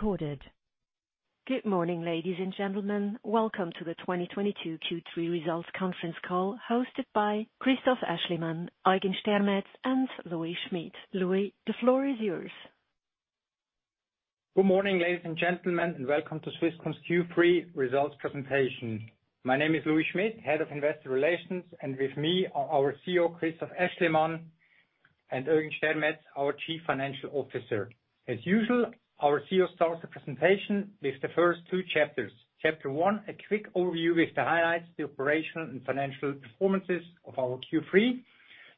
Recorded. Good morning, ladies and gentlemen. Welcome to the 2022 Q3 Results Conference Call hosted by Christoph Aeschlimann, Eugen Stermetz, and Louis Schmid. Louis, the floor is yours. Good morning, ladies and gentlemen, and welcome to Swisscom's Q3 results presentation. My name is Louis Schmid, Head of Investor Relations, and with me are our CEO, Christoph Aeschlimann, and Eugen Stermetz, our Chief Financial Officer. As usual, our CEO starts the presentation with the first two chapters. Chapter one, a quick overview with the highlights, the operational and financial performances of our Q3.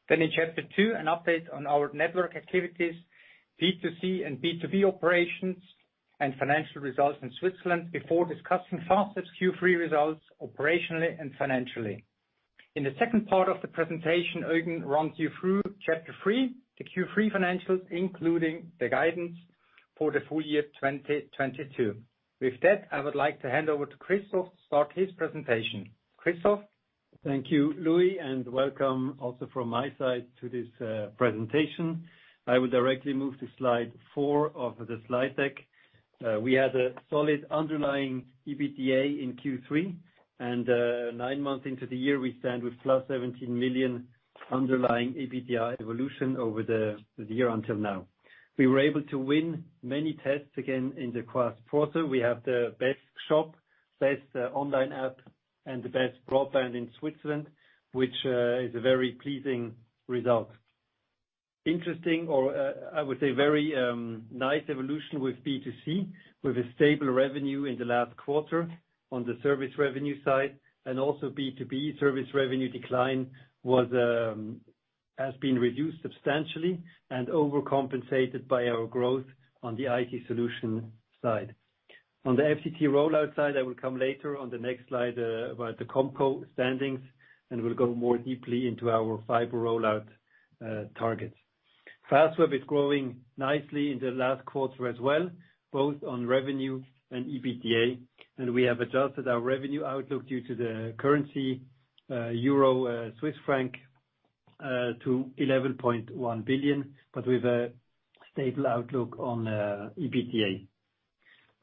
Then in chapter two, an update on our network activities, B2C and B2B operations, and financial results in Switzerland before discussing Fastweb's Q3 results operationally and financially. In the second part of the presentation, Eugen runs you through chapter three, the Q3 financials, including the guidance for the full year 2022. With that, I would like to hand over to Christoph to start his presentation. Christoph? Thank you, Louis, and welcome also from my side to this presentation. I will directly move to slide 4 of the slide deck. We had a solid underlying EBITDA in Q3, and nine months into the year, we stand with +17 million underlying EBITDA evolution over the year until now. We were able to win many tests again in the past quarter. We have the best shop, best online app, and the best broadband in Switzerland, which is a very pleasing result. Interesting or I would say very nice evolution with B2C, with a stable revenue in the last quarter on the service revenue side and also B2B service revenue decline has been reduced substantially and overcompensated by our growth on the IT solution side. On the FTTH rollout side, I will come later on the next slide about the COMCO standings, and we'll go more deeply into our fiber rollout targets. Fastweb is growing nicely in the last quarter as well, both on revenue and EBITDA, and we have adjusted our revenue outlook due to the currency, euro Swiss franc, to 11.1 billion, but with a stable outlook on EBITDA.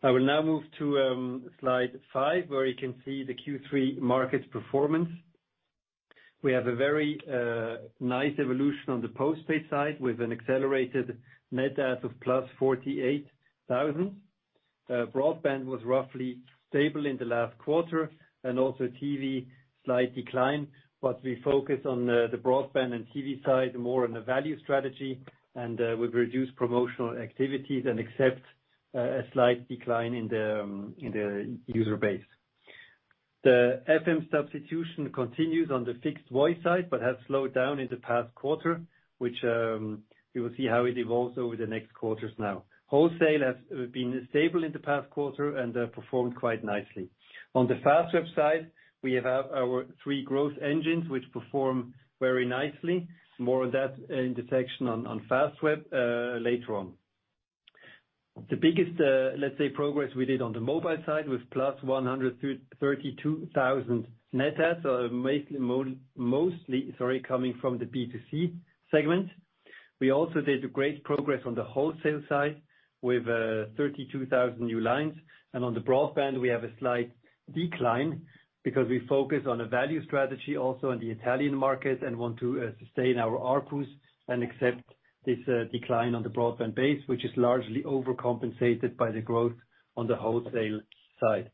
I will now move to slide five, where you can see the Q3 market performance. We have a very nice evolution on the postpaid side with an accelerated net add of +48,000. Broadband was roughly stable in the last quarter and also TV slight decline. We focus on the broadband and TV side more on the value strategy and we've reduced promotional activities and accept a slight decline in the user base. The FM substitution continues on the fixed voice side but has slowed down in the past quarter, which we will see how it evolves over the next quarters now. Wholesale has been stable in the past quarter and performed quite nicely. On the Fastweb side, we have our three growth engines which perform very nicely. More on that in the section on Fastweb later on. The biggest, let's say, progress we did on the mobile side with +132,000 net adds, mainly mostly, sorry, coming from the B2C segment. We also did a great progress on the wholesale side with 32,000 new lines. On the broadband, we have a slight decline because we focus on a value strategy also in the Italian market and want to sustain our ARPU and accept this decline on the broadband base, which is largely overcompensated by the growth on the wholesale side.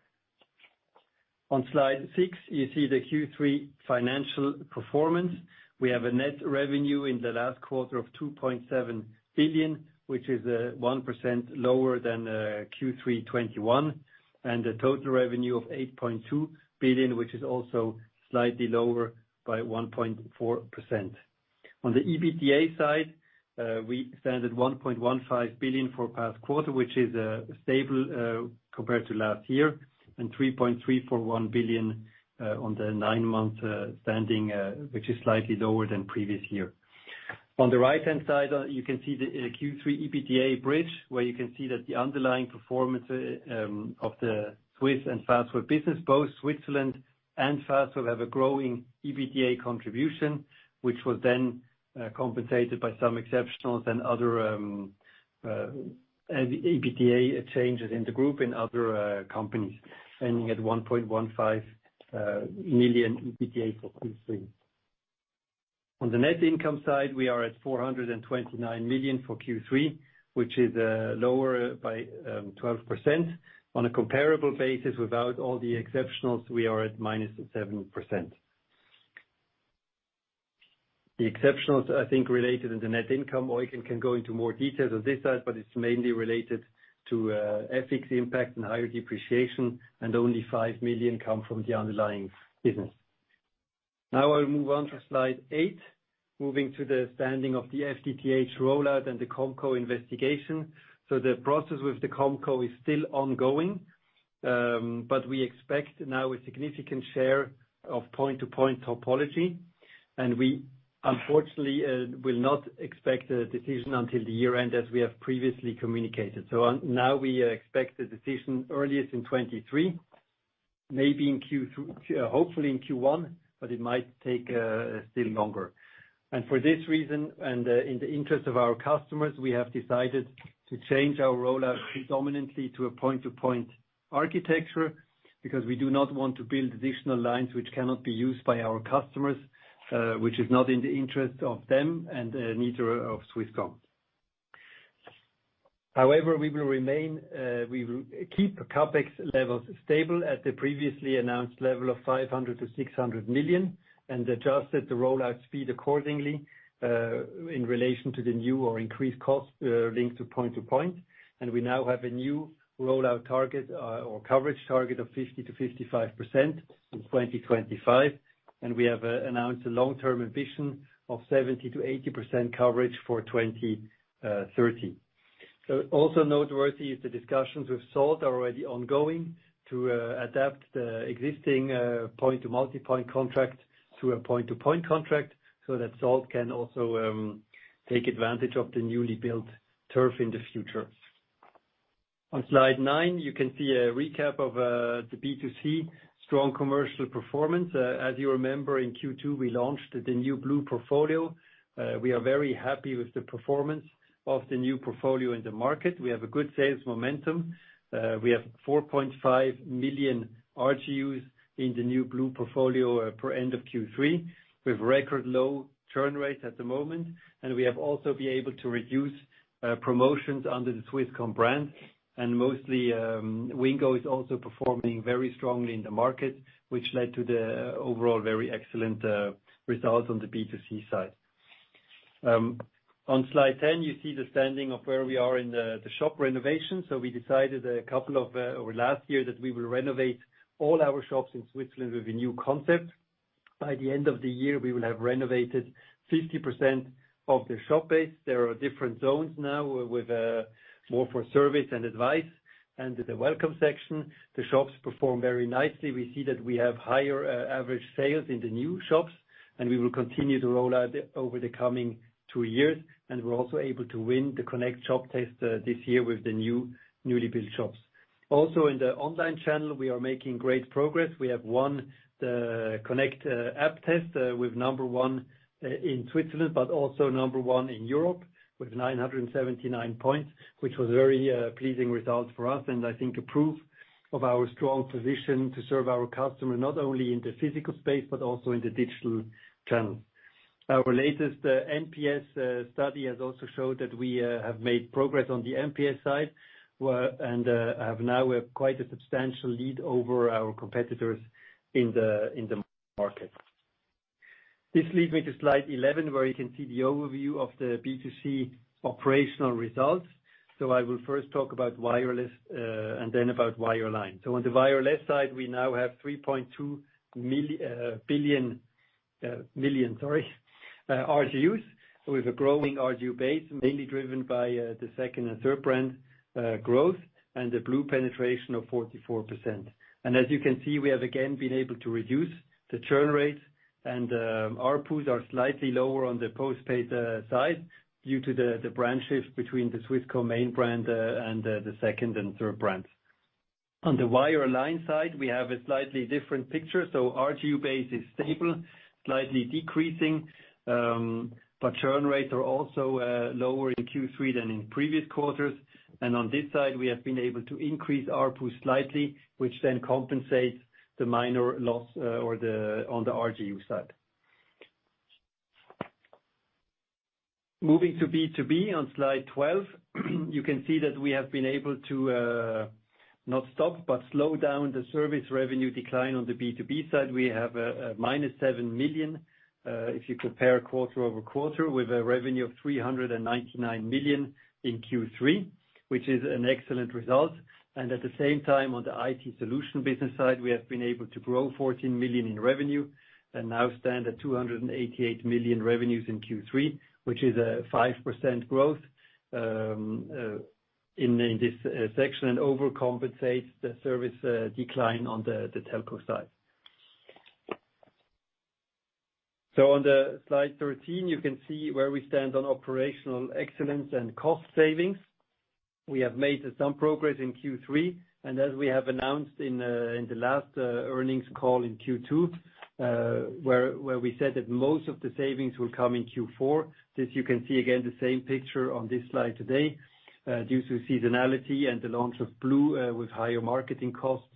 On slide six, you see the Q3 financial performance. We have a net revenue in the last quarter of 2.7 billion, which is 1% lower than Q3 2021. We have a total revenue of 8.2 billion, which is also slightly lower by 1.4%. On the EBITDA side, we stand at 1.15 billion for past quarter, which is stable compared to last year, and 3.341 billion on the nine-month standing, which is slightly lower than previous year. On the right-hand side, you can see the Q3 EBITDA bridge, where you can see that the underlying performance of the Swiss and Fastweb business. Both Switzerland and Fastweb have a growing EBITDA contribution, which was then compensated by some exceptionals and other EBITDA changes in the group in other companies, ending at 1.15 million EBITDA for Q3. On the net income side, we are at 429 million for Q3, which is lower by 12%. On a comparable basis without all the exceptionals, we are at -7%. The exceptionals, I think, related in the net income. Eugen can go into more details on this side, but it's mainly related to FX impact and higher depreciation, and only 5 million come from the underlying business. Now I'll move on to slide 8, moving to the standing of the FTTH rollout and the COMCO investigation. The process with the COMCO is still ongoing, but we expect now a significant share of point-to-point topology. We unfortunately will not expect a decision until the year=end, as we have previously communicated. Now we expect a decision earliest in 2023. Maybe in Q1, hopefully in Q1, but it might take still longer. For this reason, in the interest of our customers, we have decided to change our rollout predominantly to a point-to-point architecture, because we do not want to build additional lines which cannot be used by our customers, which is not in the interest of them and neither of Swisscom. However, we will keep CapEx levels stable at the previously announced level of 500 million-600 million and adjust the rollout speed accordingly in relation to the new or increased cost linked to point-to-point. We now have a new rollout target or coverage target of 50%-55% in 2025. We have announced a long-term ambition of 70%-80% coverage for 2030. Also noteworthy is the iscussions with Salt are already ongoing to adapt the existing point-to-multipoint contract to a point-to-point contract so that Salt can also take advantage of the newly built turf in the future. On slide 9, you can see a recap of the B2C strong commercial performance. As you remember, in Q2, we launched the new blue portfolio. We are very happy with the performance of the new portfolio in the market. We have a good sales momentum. We have 4.5 million RGUs in the new blue portfolio per end of Q3 with record low churn rates at the moment. We have also been able to reduce promotions under the Swisscom brand. Mostly, Wingo is also performing very strongly in the market, which led to the overall very excellent results on the B2C side. On slide 10, you see the standing of where we are in the shop renovation. We decided last year that we will renovate all our shops in Switzerland with a new concept. By the end of the year, we will have renovated 50% of the shop base. There are different zones now with more for service and advice and the welcome section. The shops perform very nicely. We see that we have higher average sales in the new shops, and we will continue to roll out over the coming two years. We're also able to win the Connect Shop Test this year with the new, newly built shops. Also in the online channel, we are making great progress. We have won the Connect App Test with number one in Switzerland, but also number one in Europe with 979 points, which was very pleasing result for us and I think a proof of our strong position to serve our customer, not only in the physical space, but also in the digital channel. Our latest NPS study has also showed that we have made progress on the NPS side and have now a quite substantial lead over our competitors in the market. This leads me to slide 11, where you can see the overview of the B2C operational results. I will first talk about wireless and then about wireline. On the wireless side, we now have 3.2 million RGUs, with a growing RGU base, mainly driven by the second and third brand growth and the blue penetration of 44%. As you can see, we have again been able to reduce the churn rates and, ARPUs are slightly lower on the post-paid side due to the brand shift between the Swisscom main brand and the second and third brands. On the wireline side, we have a slightly different picture. RGU base is stable, slightly decreasing. Churn rates are also lower in Q3 than in previous quarters. On this side, we have been able to increase ARPU slightly, which then compensates the minor loss on the RGU side. Moving to B2B on slide 12. You can see that we have been able to not stop, but slow down the service revenue decline on the B2B side. We have -7 million, if you compare quarter-over-quarter with a revenue of 399 million in Q3, which is an excellent result. At the same time, on the IT solution business side, we have been able to grow 14 million in revenue and now stand at 288 million revenues in Q3, which is a 5% growth, in this section and overcompensates the service decline on the telco side. On the slide 13, you can see where we stand on operational excellence and cost savings. We have made some progress in Q3, and as we have announced in the last earnings call in Q2, where we said that most of the savings will come in Q4. This, you can see again the same picture on this slide today. Due to seasonality and the launch of blue, with higher marketing costs.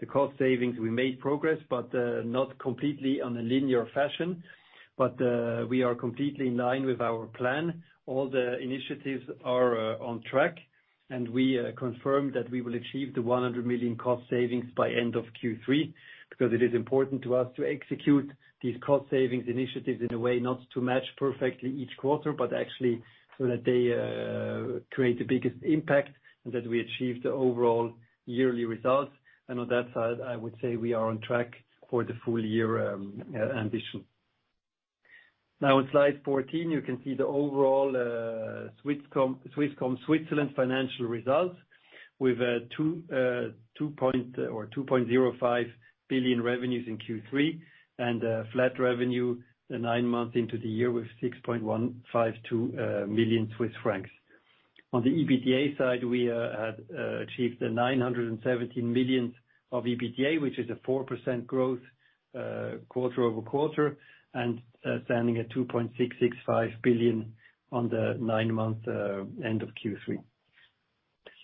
The cost savings, we made progress, but not completely on a linear fashion. We are completely in line with our plan. All the initiatives are on track, and we confirm that we will achieve the 100 million cost savings by end of Q3, because it is important to us to execute these cost savings initiatives in a way not to match perfectly each quarter, but actually so that they create the biggest impact and that we achieve the overall yearly results. On that side, I would say we are on track for the full year ambition. Now on slide 14, you can see the overall Swisscom Switzerland financial results with 2.05 billion revenues in Q3 and flat revenue nine months into the year with 6.152 million Swiss francs. On the EBITDA side, we had achieved the 917 million of EBITDA, which is a 4% growth quarter-over-quarter, and standing at 2.665 billion on the nine-month end of Q3.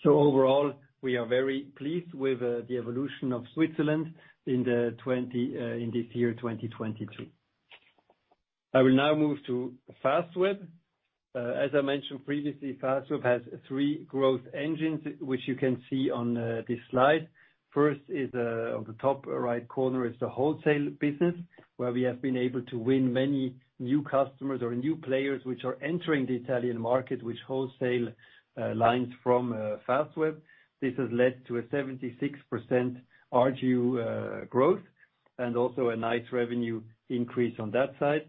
Overall, we are very pleased with the evolution of Switzerland in this year, 2022. I will now move to Fastweb. As I mentioned previously, Fastweb has three growth engines, which you can see on this slide. First is on the top right corner is the wholesale business, where we have been able to win many new customers or new players which are entering the Italian market with wholesale lines from Fastweb. This has led to a 76% RGU growth, and also a nice revenue increase on that side.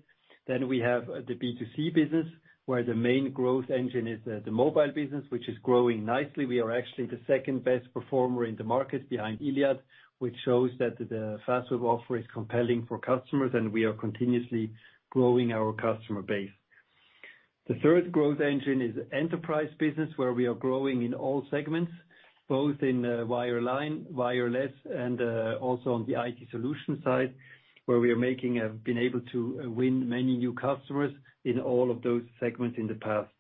We have the B2C business, where the main growth engine is the mobile business, which is growing nicely. We are actually the second best performer in the market behind Iliad, which shows that the Fastweb offer is compelling for customers, and we are continuously growing our customer base. The third growth engine is enterprise business, where we are growing in all segments, both in wireline, wireless, and also on the IT solution side, where we have been able to win many new customers in all of those segments in the past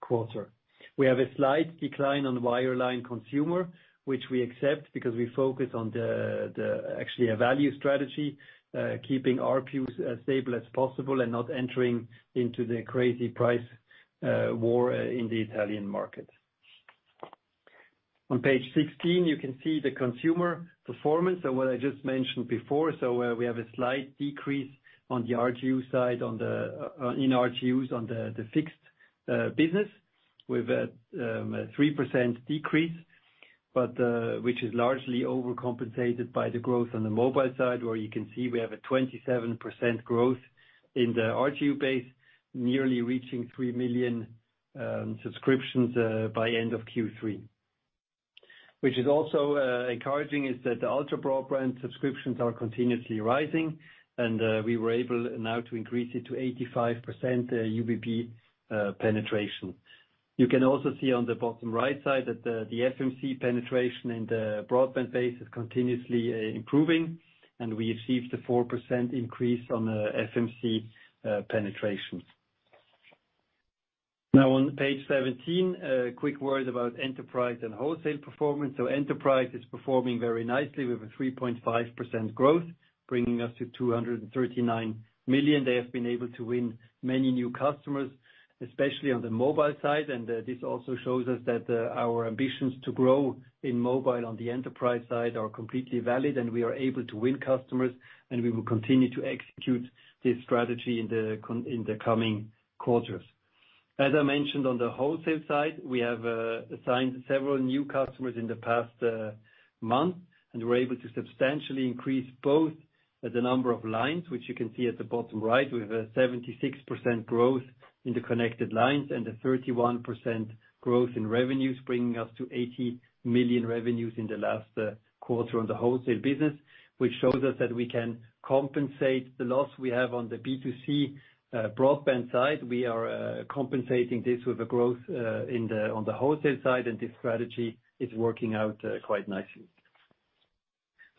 quarter. We have a slight decline on wireline consumer, which we accept because we focus on the actually a value strategy, keeping RGUs as stable as possible and not entering into the crazy price war in the Italian market. On page 16, you can see the consumer performance and what I just mentioned before. We have a slight decrease on the RGU side in RGUs in the fixed business with a 3% decrease, but which is largely overcompensated by the growth on the mobile side, where you can see we have a 27% growth in the RGU base, nearly reaching 3 million subscriptions by end of Q3. Which is also encouraging is that the ultra broadband subscriptions are continuously rising and we were able now to increase it to 85% UBB penetration. You can also see on the bottom right side that the FMC penetration in the broadband base is continuously improving, and we achieved a 4% increase on FMC penetration. Now on page 17, a quick word about enterprise and wholesale performance. Enterprise is performing very nicely. We have a 3.5% growth, bringing us to 239 million. They have been able to win many new customers, especially on the mobile side. This also shows us that our ambitions to grow in mobile on the enterprise side are completely valid, and we are able to win customers, and we will continue to execute this strategy in the coming quarters. As I mentioned on the wholesale side, we have signed several new customers in the past month, and we're able to substantially increase both the number of lines, which you can see at the bottom right with a 76% growth in the connected lines and a 31% growth in revenues, bringing us to 80 million revenues in the last quarter on the wholesale business. Which shows us that we can compensate the loss we have on the B2C broadband side. We are compensating this with a growth in the on the wholesale side, and this strategy is working out quite nicely.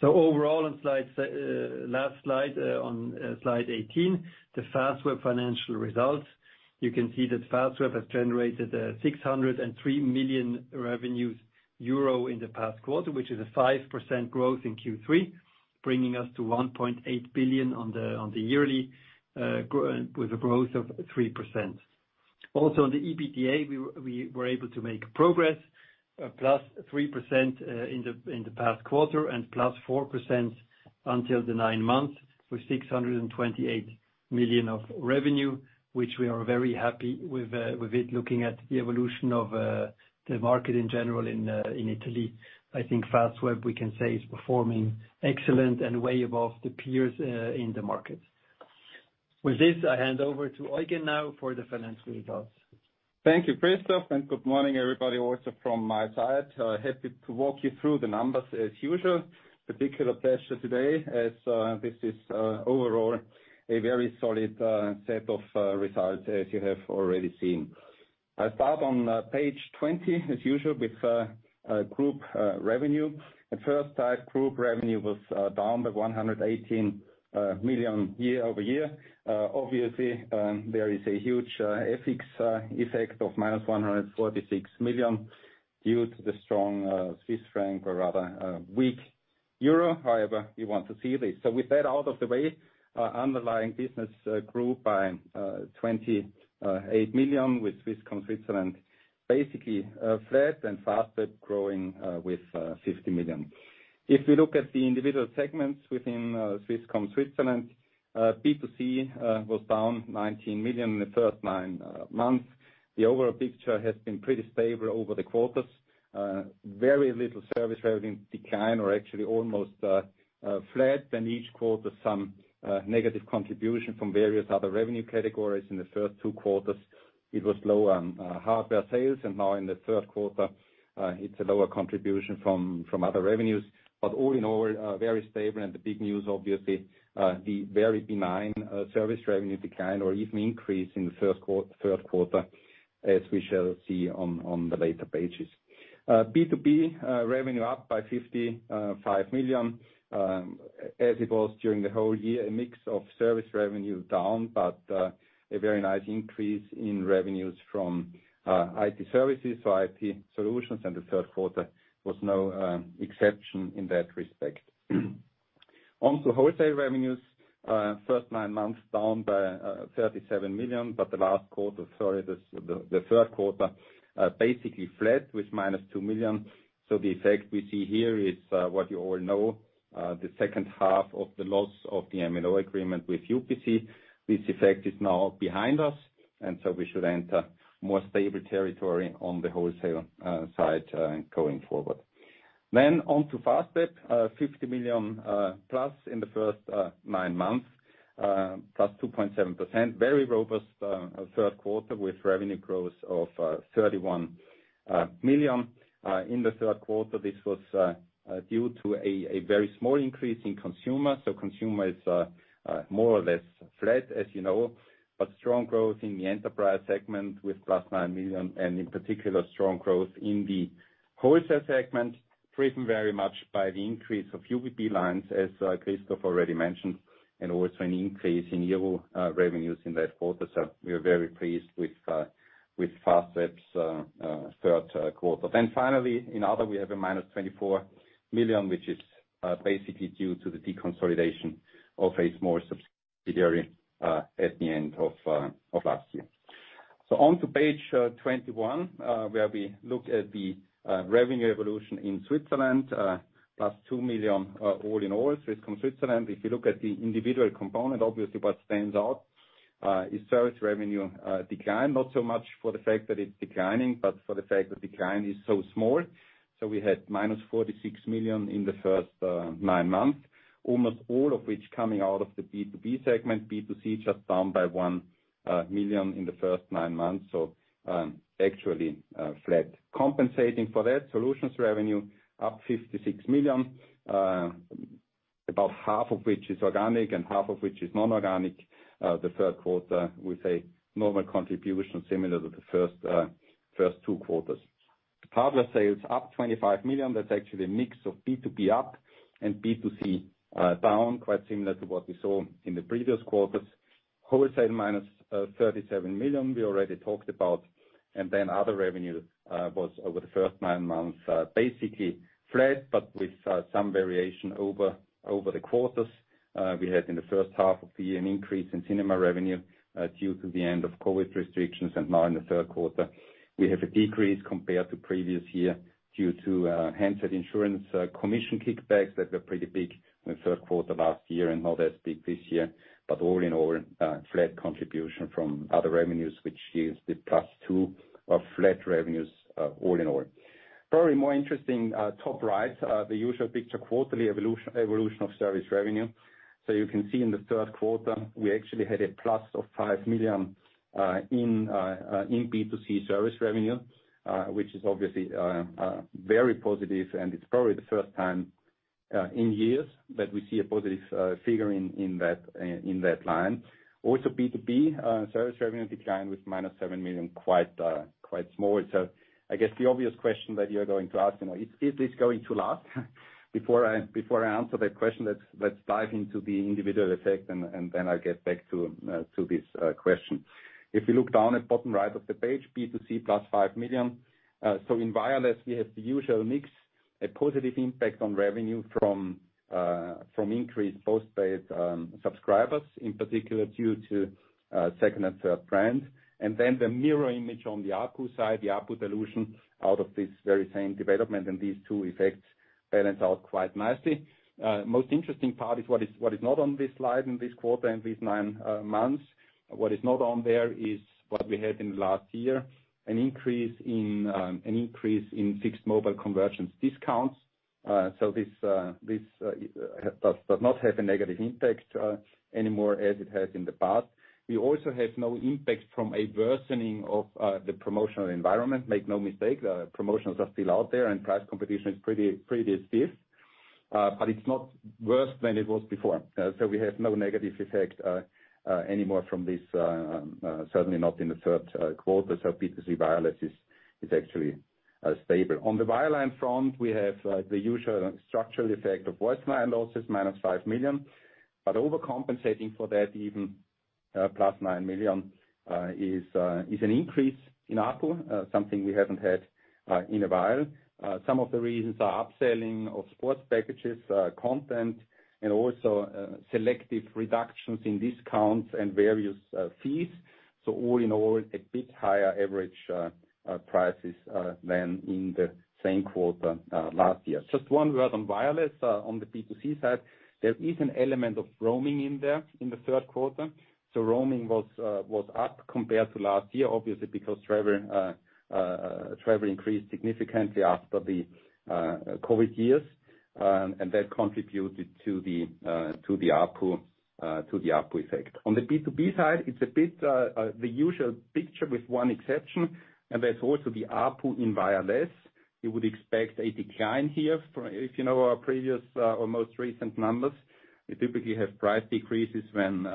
Overall, on the last slide, on slide 18, the Fastweb financial results. You can see that Fastweb has generated 603 million euro revenues in the past quarter, which is a 5% growth in Q3, bringing us to 1.8 billion on the yearly with a growth of 3%. Also, on the EBITDA, we were able to make progress, +3%, in the past quarter and +4% until the 9 months with 628 million of revenue, which we are very happy with it looking at the evolution of the market in general in Italy. I think Fastweb, we can say, is performing excellent and way above the peers in the market. With this, I hand over to Eugen now for the financial results. Thank ou, Christoph, and good morning, everybody, also from my side. Happy to walk you through the numbers as usual. Particular pleasure today as this is overall a very solid set of results as you have already seen. I start on page 20 as usual with group revenue. At first glance, group revenue was down by 118 million year-over-year. Obviously, there is a huge FX effect of -146 million due to the strong Swiss franc or rather a weak euro. However you want to see this. With that out of the way, our underlying business grew by 28 million, with Swisscom Switzerland basically flat and Fastweb growing with 50 million. If we look at the individual segments within Swisscom Switzerland, B2C was down 19 million in the first 9 months. The overall picture has been pretty stable over the quarters. Very little service revenue decline or actually almost flat. Each quarter, some negative contribution from various other revenue categories. In the first two quarters, it was low on hardware sales, and now in the third quarter, it's a lower contribution from other revenues. All in all, very stable. The big news, obviously, the very benign service revenue decline or even increase in the third quarter as we shall see on the later pages. B2B revenue up by 55 million, as it was during the whole year. A mix of service revenue down but a very nice increase in revenues from IT services or IT solutions, and the third quarter was no exception in that respect. On to wholesale revenues, first nine months down by 37 million, but the third quarter basically flat with -2 million. The effect we see here is what you all know, the second half of the loss of the MNO agreement with UPC. This effect is now behind us, and so we should enter more stable territory on the wholesale side going forward. On to Fastweb, 50 million plus in the first nine months, +2.7%. Very robust third quarter with revenue growth of 31 million. In the third quarter, this was due to a very small increase in consumer. Consumer is more or less flat, as you know, but strong growth in the enterprise segment with +9 million, and in particular, strong growth in the wholesale segment, driven very much by the increase of UBB lines, as Christoph already mentioned, and also an increase in EUR revenues in that quarter. We are very pleased with Fastweb's third quarter. Finally, in other, we have a -24 million, which is basically due to the deconsolidation of a small subsidiary at the end of last year. On to page 21, where we look at the revenue evolution in Switzerland, +2 million all in all from Switzerland. If you look at the individual component, obviously what stands out is service revenue decline, not so much for the fact that it's declining, but for the fact the decline is so small. We had -46 million in the first 9 months, almost all of which coming out of the B2B segment. B2C just down by 1 million in the first 9 months, actually flat. Compensating for that, solutions revenue up 56 million, about half of which is organic and half of which is non-organic. The third quarter with a normal contribution similar to the first 2 quarters. Partner sales up 25 million. That's actually a mix of B2B up and B2C down, quite similar to what we saw in the previous quarters. Wholesale -37 million we already talked about. Then other revenue was over the first nine months basically flat, but with some variation over the quarters. We had in the first half of the year an increase in cinema revenue due to the end of COVID restrictions. Now in the third quarter, we have a decrease compared to previous year due to handset insurance commission kickbacks that were pretty big in the third quarter last year and not as big this year. All in all, flat contribution from other revenues, which is the +2 of flat revenues all in all. Probably more interesting, top right, the usual picture, quarterly evolution of service revenue. You can see in the third quarter, we actually had a plus of 5 million in B2C service revenue, which is obviously very positive, and it's probably the first time in years that we see a positive figure in that line. Also B2B service revenue decline with -7 million, quite small. I guess the obvious question that you're going to ask, you know, is this going to last? Before I answer that question, let's dive into the individual effect, and then I'll get back to this question. If you look down at bottom right of the page, B2C +5 million. In wireless, we have the usual mix, a positive impact on revenue from increased postpaid subscribers, in particular due to second and third brands. Then the mirror image on the ARPU side, the ARPU dilution out of this very same development, and these two effects balance out quite nicely. Most interesting part is what is not on this slide in this quarter, in these nine months. What is not on there is what we had in last year, an increase in fixed mobile convergence discounts. This does not have a negative impact anymore as it has in the past. We also have no impact from a worsening of the promotional environment. Make no mistake, promotions are still out there, and price competition is pretty stiff, but it's not worse than it was before. We have no negative effect anymore from this, certainly not in the third quarter. B2C wireless is actually stable. On the wireline front, we have the usual structural effect of voice line losses, -5 million. Overcompensating for that even, +9 million, is an increase in ARPU, something we haven't had in a while. Some of the reasons are upselling of sports packages, content, and also selective reductions in discounts and various fees. All in all, a bit higher average prices than in the same quarter last year. Just one word on wireless, on the B2C side, there is an element of roaming in there in the third quarter. Roaming was up compared to last year, obviously because travel increased significantly after the COVID years, and that contributed to the ARPU effect. On the B2B side, it's a bit the usual picture with one exception, and that's also the ARPU in wireless. You would expect a decline here. If you know our previous or most recent numbers, we typically have price decreases when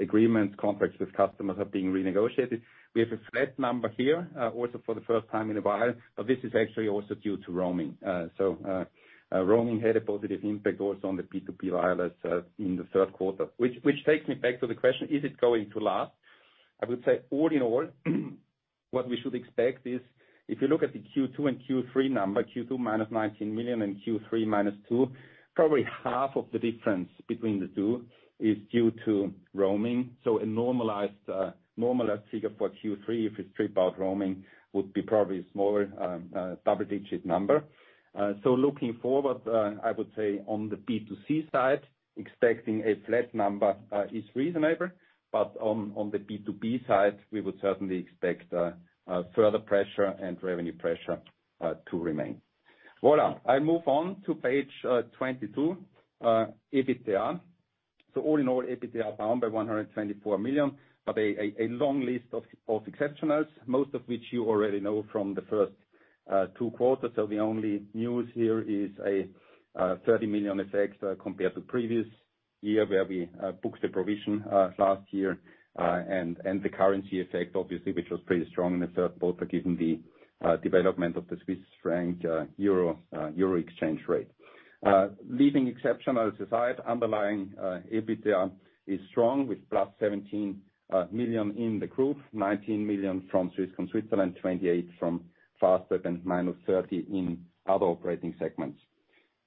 agreements, contracts with customers are being renegotiated. We have a flat number here, also for the first time in a while, but this is actually also due to roaming. Roaming had a positive impact also on the B2B wireless, in the third quarter. Which takes me back to the question, is it going to last? I would say all in all, what we should expect is if you look at the Q2 and Q3 number, Q2 1-9 million and Q3 -2 million, probably half of the difference between the two is due to roaming. A normalized figure for Q3, if you strip out roaming, would be probably a smaller double-digit number. Looking forward, I would say on the B2C side, expecting a flat number, is reasonable. On the B2B side, we would certainly expect further pressure and revenue pressure to remain. Voilà. I move on to page 22, EBITDA. All in all, EBITDA down by 124 million. A long list of exceptionals, most of which you already know from the first two quarters. The only news here is a 30 million effect compared to previous year where we booked a provision last year. The currency effect obviously, which was pretty strong in the third quarter given the development of the Swiss franc euro exchange rate. Leaving exceptionals aside, underlying EBITDA is strong with +17 million in the group, 19 million from Swisscom Switzerland, 28 from Fastweb, and -30 in other operating segments.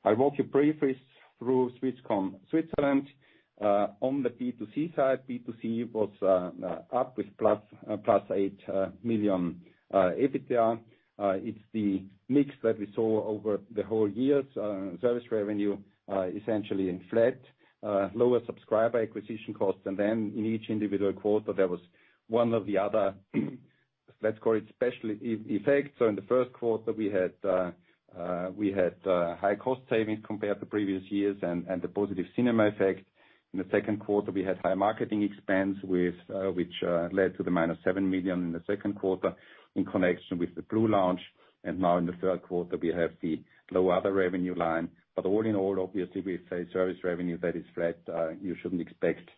I walk you briefly through Swisscom Switzerland. On the B2C side, B2C was up with +8 million EBITDA. It's the mix that we saw over the whole year. Service revenue essentially flat. Lower subscriber acquisition costs. Then in each individual quarter, there was one or the other, let's call it special effects. In the first quarter we had high cost savings compared to previous years and the positive cinema effect. In the second quarter, we had high marketing expense which led to the -7 million in the second quarter in connection with the blue launch. Now in the third quarter, we have the low other revenue line. All in all, obviously, with a service revenue that is flat, you shouldn't expect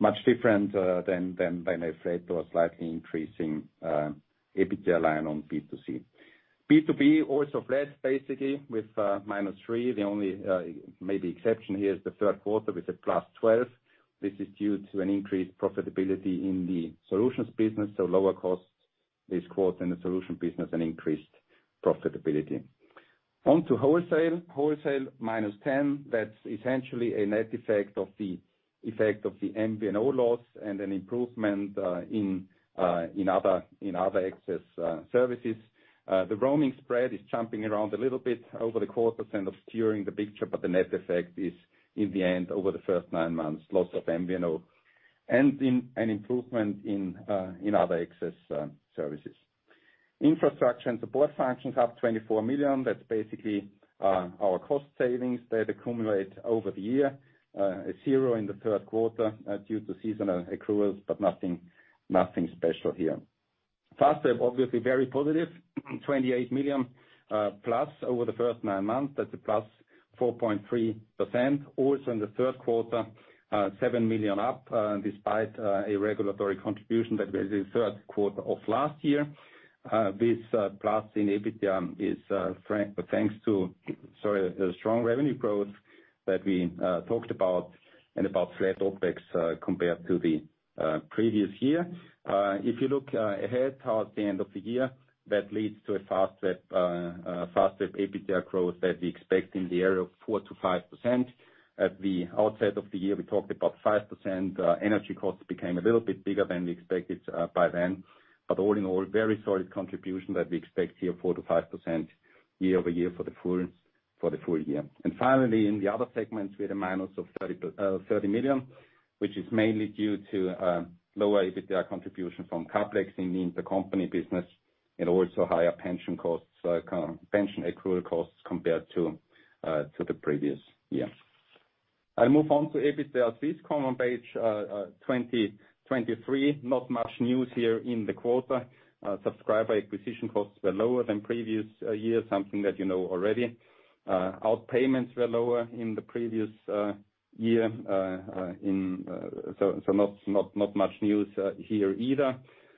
much different than a flat or slightly increasing EBITDA line on B2C. B2B also flat basically with -3 million. The only maybe exception here is the third quarter with a +12 million. This is due to an increased profitability in the solutions business. Lower costs this quarter in the solution business and increased profitability. On to wholesale. Wholesale -10 million. That's essentially a net effect of the effect of the MVNO loss and an improvement in other access services. The roaming spread is jumping around a little bit over the course of steering the big ship, but the net effect is in the end over the first nine months, loss of MVNO and an improvement in other access services. Infrastructure and support functions up 24 million. That's basically our cost savings that accumulate over the year. It's zero in the third quarter due to seasonal accruals, but nothing special here. Fastweb, obviously very positive. 28 million plus over the first nine months. That's a +4.3%. Also in the third quarter, seven million up, despite a regulatory contribution that was in third quarter of last year. This plus in EBITDA is thanks to a strong revenue growth that we talked about and about flat OpEx compared to the previous year. If you look ahead towards the end of the year, that leads to a Fastweb EBITDA growth that we expect in the area of 4%-5%. At the outset of the year, we talked about 5%. Energy costs became a little bit bigger than we expected by then. All in all, very solid contribution that we expect here, 4%-5% year-over-year for the full year. Finally, in the other segments, we had a minus of 30 million, which is mainly due to lower EBITDA contribution from Cablex in the intercompany business and also higher pension costs, pension accrual costs compared to the previous year. I'll move on to EBITDA Swisscom on page 23. Not much news here in the quarter. Subscriber acquisition costs were lower than previous year, something that you know already. Outpayments were lower in the previous year. Not much news here either.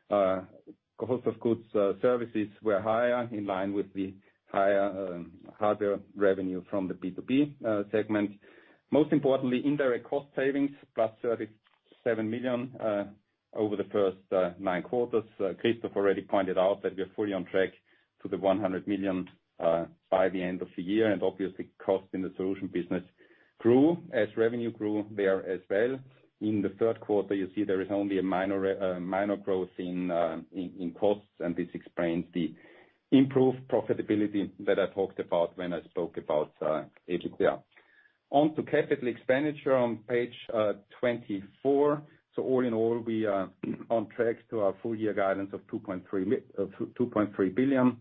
Cost of goods services were higher in line with the higher hardware revenue from the B2B segment. Most importantly, indirect cost savings +37 million over the first nine quarters. Christoph already pointed out that we are fully on track to 100 million by the end of the year. Obviously, costs in the solution business grew as revenue grew there as well. In the third quarter, you see there is only a minor growth in costs, and this explains the improved profitability that I talked about when I spoke about EBITDA. On to capital expenditure on page 24. All in all, we are on track to our full year guidance of 2.3 billion.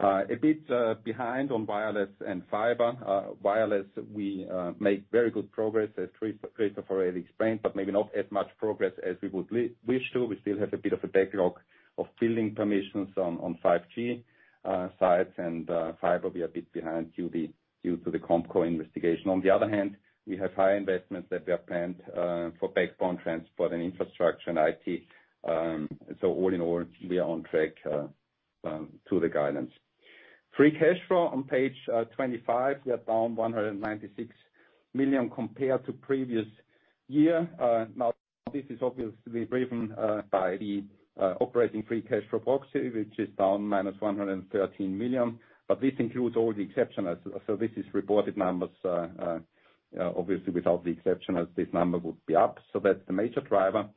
A bit behind on wireless and fiber. Wireless, we make very good progress, as Christoph already explained, but maybe not as much progress as we would wish to. We still have a bit of a backlog of building permissions on 5G sites. Fiber we are a bit behind due to the COMCO investigation. On the other hand, we have high investments that we have planned for backbone transport and infrastructure and IT. All in all, we are on track to the guidance. Free cash flow on page 25, we are down 196 million compared to previous year. Now this is obviously driven by the operating free cash flow proxy, which is down -113 million. But this includes all the exceptionals. This is reported numbers. Obviously, without the exceptionals this number would be up. That's the major driver.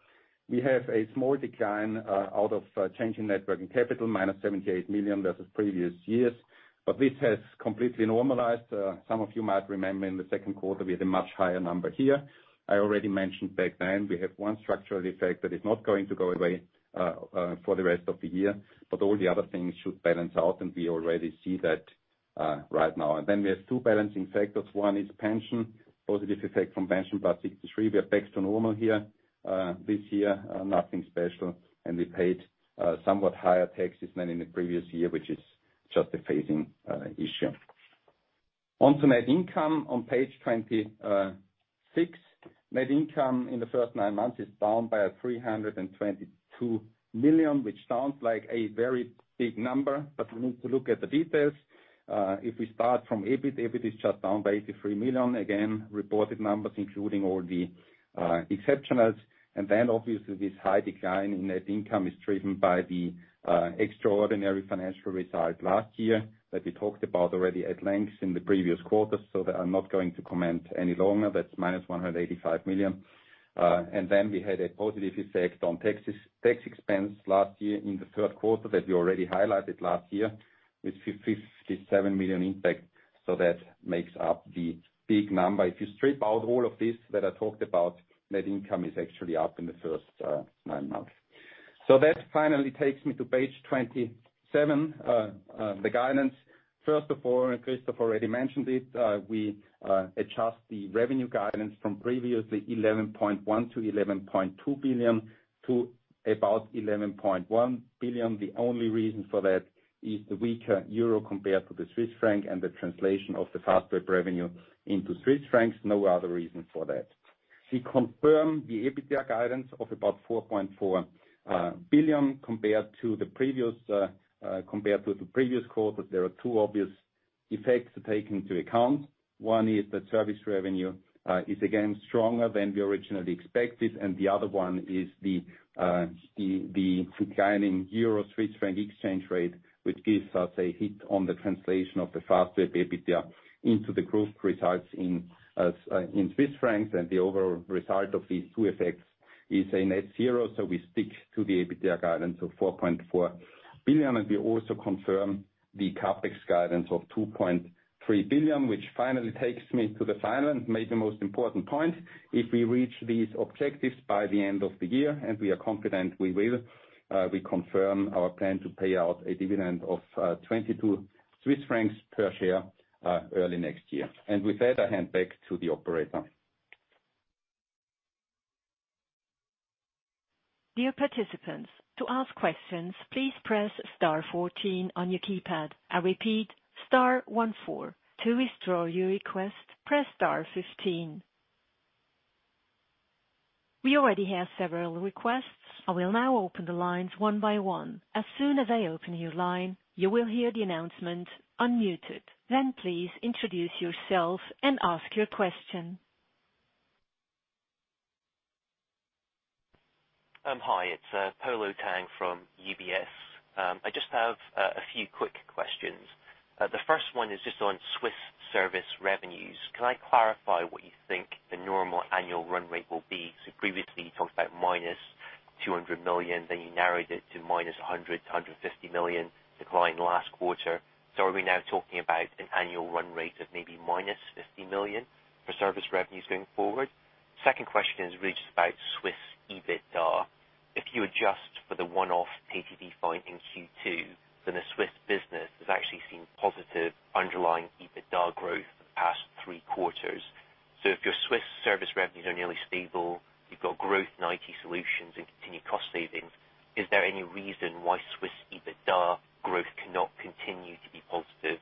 We have a small decline out of change in net working capital, -78 million versus previous years, but this has completely normalized. Some of you might remember in the second quarter, we had a much higher number here. I already mentioned back then, we have one structural effect that is not going to go away for the rest of the year, but all the other things should balance out, and we already see that right now. We have two balancing factors. One is pension, positive effect from pension plus 63. We are back to normal here this year, nothing special. We paid somewhat higher taxes than in the previous year, which is just a phasing issue. On to net income on page 26. Net income in the first nine months is down by 322 million, which sounds like a very big number, but we need to look at the details. If we start from EBIT, EBIT is just down by 83 million, again, reported numbers including all the exceptionals. Obviously this high decline in net income is driven by the extraordinary financial result last year that we talked about already at length in the previous quarters, so I'm not going to comment any longer. That's -185 million. We had a positive effect on taxes, tax expense last year in the third quarter that we already highlighted last year with 57 million impact, so that makes up the big number. If you strip out all of this that I talked about, net income is actually up in the first nine months. That finally takes me to page 27, the guidance. First of all, Christoph already mentioned it, we adjust the revenue guidance from previously 11.1-11.2 billion to about 11.1 billion. The only reason for that is the weaker euro compared to the Swiss franc and the translation of the Fastweb revenue into Swiss francs, no other reason for that. We confirm the EBITDA guidance of about 4.4 billion compared to the previous quarter. There are two obvious effects to take into account. One is that service revenue is again stronger than we originally expected, and the other one is the declining euro/Swiss franc exchange rate, which gives us a hit on the translation of the Fastweb EBITDA into the group results in Swiss francs. The overall result of these two effects is a net zero, so we stick to the EBITDA guidance of 4.4 billion. We also confirm the CapEx guidance of 2.3 billion, which finally takes me to the final and maybe the most important point. If we reach these objectives by the end of the year, and we are confident we will, we confirm our plan to pay out a dividend of 22 Swiss francs per share early next year. With that, I hand back to the operator. Dear participants, to ask questions, please press star 14 on your keypad. I repeat, star 1 4. To withdraw your request, press star 15. We already have several requests. I will now open the lines one by one. As soon as I open your line, you will hear the announcement, "Unmuted." Then please introduce yourself and ask your question. Hi, it's Polo Tang from UBS. I just have a few quick questions. The first one is just on Swiss service revenues. Can I clarify what you think the normal annual run rate will be? Previously you talked about -200 million, then you narrowed it to -100 million-150 million decline last quarter. Are we now talking about an annual run rate of maybe -50 million for service revenues going forward? Second question is really just about Swiss EBITDA. If you adjust for the one-off TVT fine in Q2, then the Swiss business has actually seen positive underlying EBITDA growth the past three quarters. If your Swiss service revenues are nearly stable, you've got growth in IT solutions and continued cost savings, is there any reason why Swiss EBITDA growth cannot continue to be positive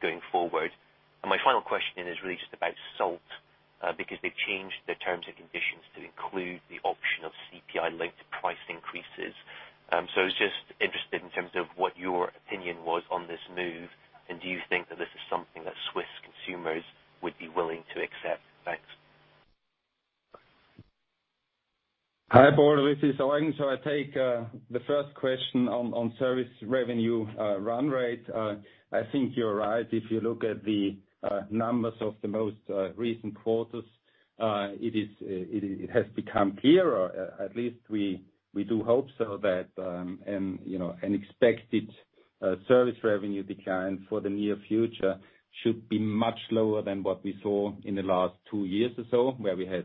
going forward? My final question is really just about Salt, because they've changed their terms and conditions to include the option of CPI-linked price increases. I was just interested in terms of what your opinion was on this move, and do you think that this is something that Swiss consumers would be willing to accept? Thanks. Hi, Polo. This is Eugen. I'll take the first question on service revenue run rate. I think you're right. If you look at the numbers of the most recent quarters, it has become clearer, at least we do hope so that you know an expected service revenue decline for the near future should be much lower than what we saw in the last two years or so, where we had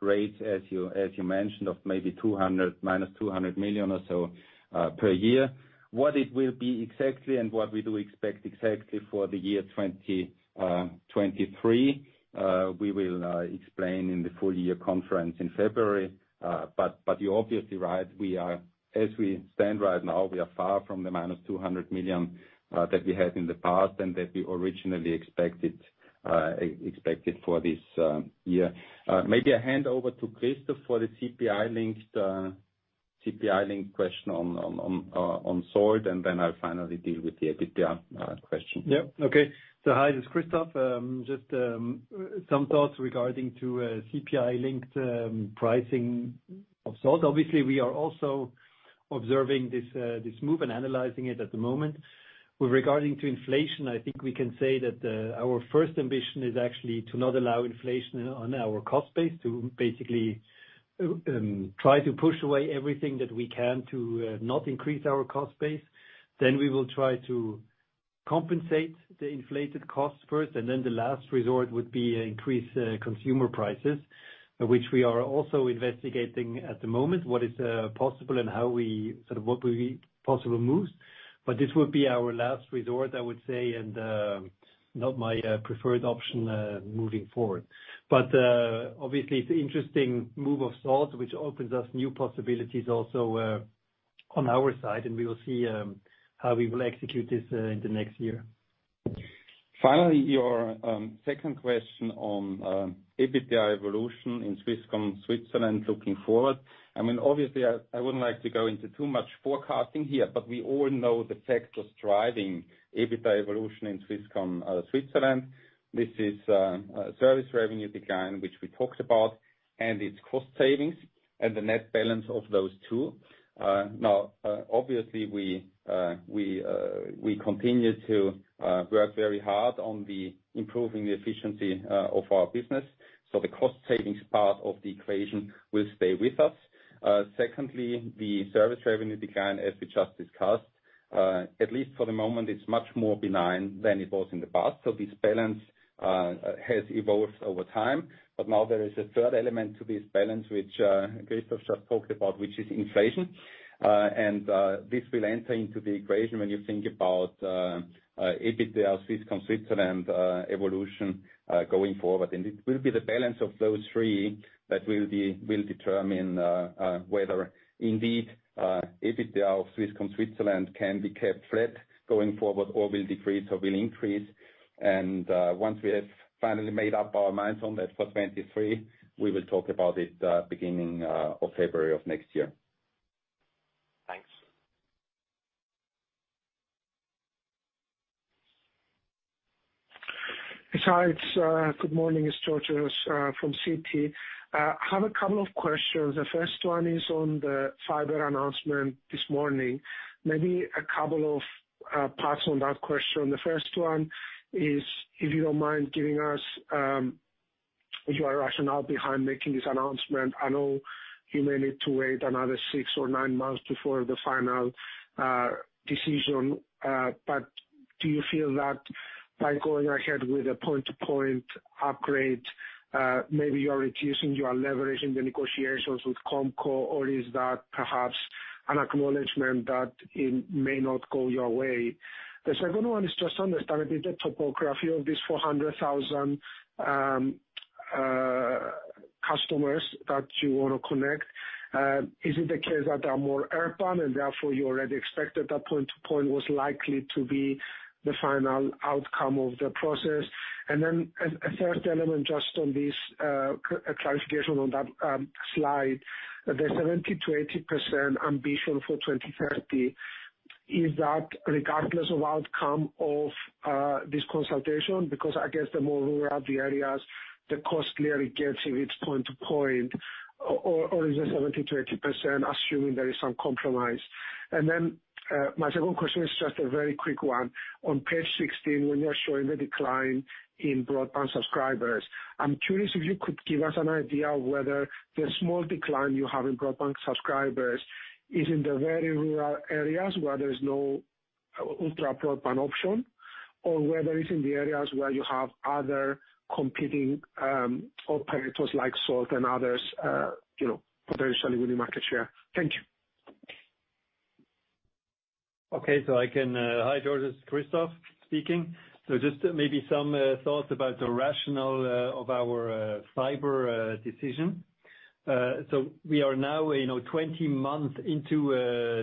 rates as you mentioned of maybe -200 million or so per year. What it will be exactly and what we do expect exactly for the year 2023, we will explain in the full year conference in February. You're obviously right. We are, as we stand right now, far from the -200 million that we had in the past and that we originally expected for this year. Maybe I hand over to Christoph for the CPI-linked CPI link question on Salt, and then I'll finally deal with the EBITDA question. Yeah. Okay. Hi, this is Christoph. Just some thoughts with regard to CPI-linked pricing of Salt. Obviously, we are also observing this move and analyzing it at the moment. With regard to inflation, I think we can say that our first ambition is actually to not allow inflation on our cost base, to basically try to push away everything that we can to not increase our cost base. We will try to compensate the inflated costs first, and then the last resort would be increase consumer prices, which we are also investigating at the moment, what is possible and how we sort of what will be possible moves. This would be our last resort, I would say, and not my preferred option moving forward. Obviously, it's an interesting move of Salt, which opens us new possibilities also on our side, and we will see how we will execute this in the next year. Finally, your second question on EBITDA evolution in Swisscom Switzerland looking forward. I mean, obviously I wouldn't like to go into too much forecasting here, but we all know the factors driving EBITDA evolution in Swisscom, Switzerland. This is service revenue decline, which we talked about, and its cost savings and the net balance of those two. Now, obviously, we continue to work very hard on improving the efficiency of our business. The cost savings part of the equation will stay with us. Secondly, the service revenue decline, as we just discussed, at least for the moment, it's much more benign than it was in the past. This balance has evolved over time. Now there is a third element to this balance, which Christoph just talked about, which is inflation. This will enter into the equation when you think about EBITDA, Swisscom Switzerland evolution going forward. It will be the balance of those three that will determine whether indeed EBITDA of Swisscom Switzerland can be kept flat going forward or will decrease or will increase. Once we have finally made up our minds on that for 2023, we will talk about it beginning of February of next year. Thanks. Hi, it's Good morning. It's Georgios from Citi. Have a couple of questions. The first one is on the fiber announcement this morning. Maybe a couple of parts on that question. The first one is if you don't mind giving us your rationale behind making this announcement. I know you may need to wait another 6 or 9 months before the final decision. Do you feel that by going ahead with a point-to-point upgrade, maybe you're reducing your leverage in the negotiations with COMCO? Or is that perhaps an acknowledgement that it may not go your way? The second one is just to understand a bit the topography of these 400,000 customers that you wanna connect. Is it the case that they are more urban, and therefore you already expected that point-to-point was likely to be the final outcome of the process? A third element just on this, clarification on that slide, the 70%-80% ambition for 2030, is that regardless of outcome of this consultation? Because I guess the more rural the areas, the cost clearly gets if it's point-to-point. Or is the 70%-80% assuming there is some compromise? My second question is just a very quick one. On page 16, when you are showing the decline in broadband subscribers, I'm curious if you could give us an idea whether the small decline you have in broadband subscribers is in the very rural areas where there's no ultra-broadband option, or whether it's in the areas where you have other competing operators like Salt and others, you know, potentially winning market share. Thank you. Hi, Georgios. It's Christoph speaking. Just maybe some thoughts about the rationale of our fiber decision. We are now, you know, 20 months into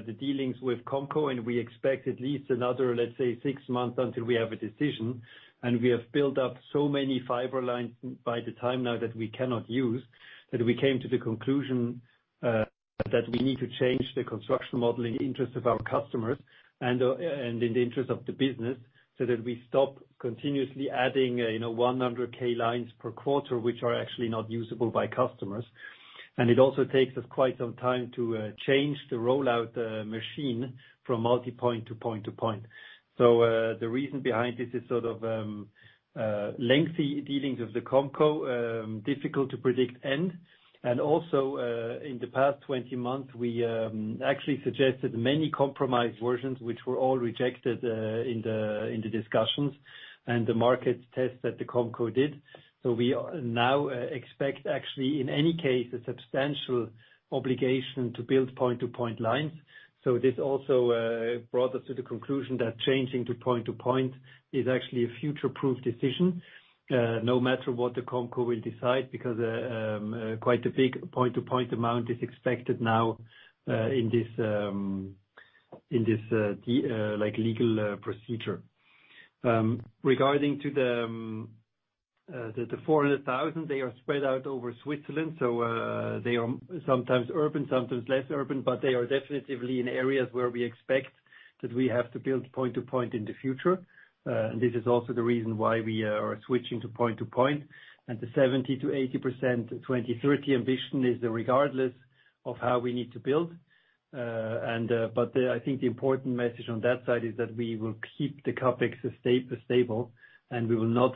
the dealings with COMCO, and we expect at least another, let's say, 6 months until we have a decision. We have built up so many fiber lines by now that we cannot use, that we came to the conclusion that we need to change the construction model in the interest of our customers and in the interest of the business, so that we stop continuously adding, you know, 100K lines per quarter, which are actually not usable by customers. It also takes us quite some time to change the rollout machine from multipoint to point-to-point. The reason behind this is sort of lengthy dealings of the COMCO, difficult to predict end. In the past 20 months we actually suggested many compromised versions which were all rejected in the discussions and the market tests that the COMCO did. We now expect actually in any case a substantial obligation to build point-to-point lines. This also brought us to the conclusion that changing to point-to-point is actually a future-proof decision, no matter what the COMCO will decide, because quite a big point-to-point amount is expected now in this like legal procedure. Regarding to the- The 400,000, they are spread out over Switzerland, so they are sometimes urban, sometimes less urban. They are definitely in areas where we expect that we have to build point-to-point in the future. This is also the reason why we are switching to point-to-point. The 70%-80% 2030 ambition is regardless of how we need to build. I think the important message on that side is that we will keep the CapEx stable, and we will not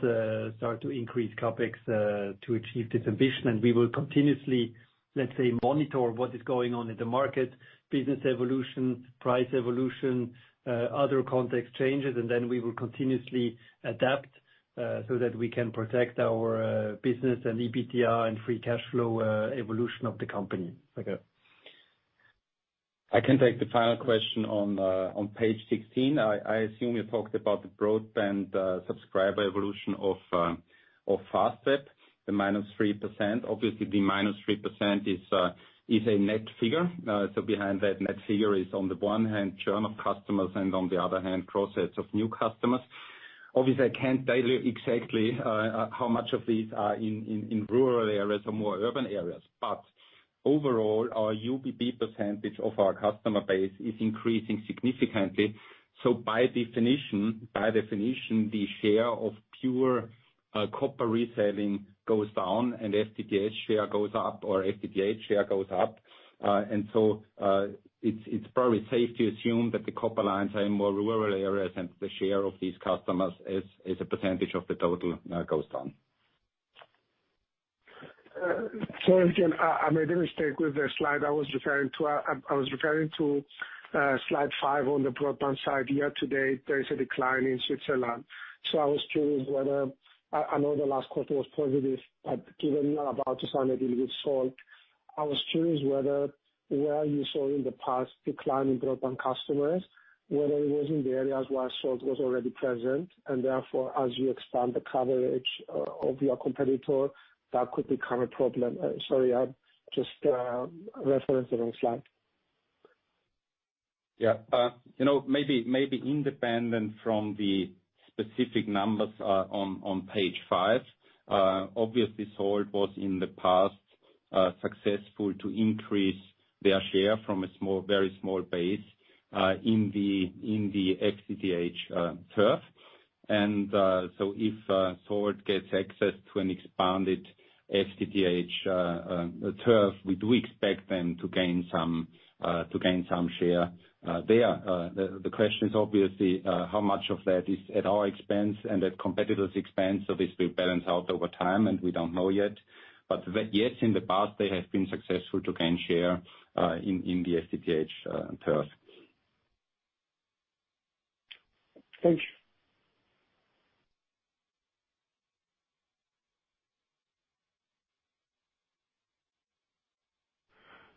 start to increase CapEx to achieve this ambition. We will continuously, let's say, monitor what is going on in the market, business evolution, price evolution, other context changes, and then we will continuously adapt so that we can protect our business and EBITDA and free cash flow evolution of the company. Okay. I can take the final question on page 16. I assume you talked about the broadband subscriber evolution of Fastweb, the -3%. Obviously, the -3% is a net figure. So behind that net figure is on the one hand churn of customers, and on the other hand acquisition of new customers. Obviously, I can't tell you exactly how much of these are in rural areas or more urban areas. But overall, our UBB percentage of our customer base is increasing significantly. By definition, the share of pure copper reselling goes down and FTTH share goes up, or FTTH share goes up. It's probably safe to assume that the copper lines are in more rural areas, and the share of these customers as a percentage of the total goes down. Again, I made a mistake with the slide I was referring to. I was referring to slide five on the broadband side. Year to date, there is a decline in Switzerland. I was curious whether I know the last quarter was positive, but given you're about to sign a deal with Salt, I was curious whether where you saw in the past decline in broadband customers, whether it was in the areas where Salt was already present. And therefore, as you expand the coverage of your competitor, that could become a problem. Sorry, I'm just referencing the slide. Yeah. You know, maybe independent from the specific numbers on page five, Obviously, Salt was in the past successful to increase their share from a small, very small base in the FTTH turf. If Salt gets access to an expanded FTTH turf, we do expect them to gain some share there. The question is obviously how much of that is at our expense and at competitors' expense. Obviously, we balance out over time, and we don't know yet. Yes, in the past, they have been successful to gain share in the FTTH turf. Thank you.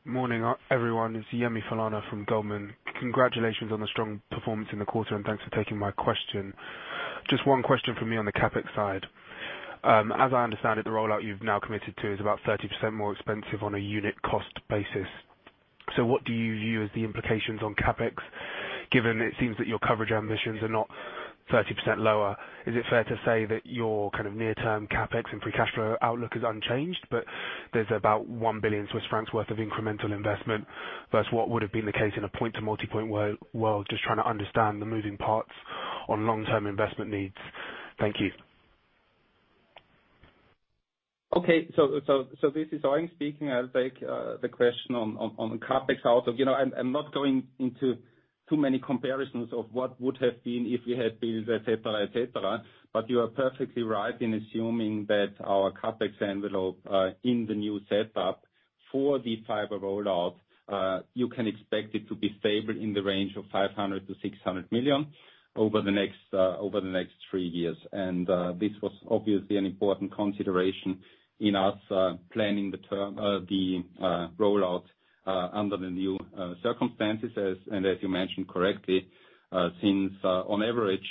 Morning, everyone. It's Yemi Falana from Goldman. Congratulations on the strong performance in the quarter, and thanks for taking my question. Just one question from me on the CapEx side. As I understand it, the rollout you've now committed to is about 30% more expensive on a unit cost basis. What do you view as the implications on CapEx, given it seems that your coverage ambitions are not 30% lower? Is it fair to say that your kind of near-term CapEx and free cash flow outlook is unchanged? There's about 1 billion Swiss francs worth of incremental investment versus what would've been the case in a point-to-multipoint world. Just trying to understand the moving parts on long-term investment needs. Thank you. This is Eugen speaking. I'll take the question on CapEx also. I'm not going into too many comparisons of what would have been if we had built, et cetera, et cetera. You are perfectly right in assuming that our CapEx envelope in the new setup for the fiber rollout you can expect it to be stable in the range of 500 million-600 million over the next three years. This was obviously an important consideration in us planning the rollout under the new circumstances, as you mentioned correctly, since on average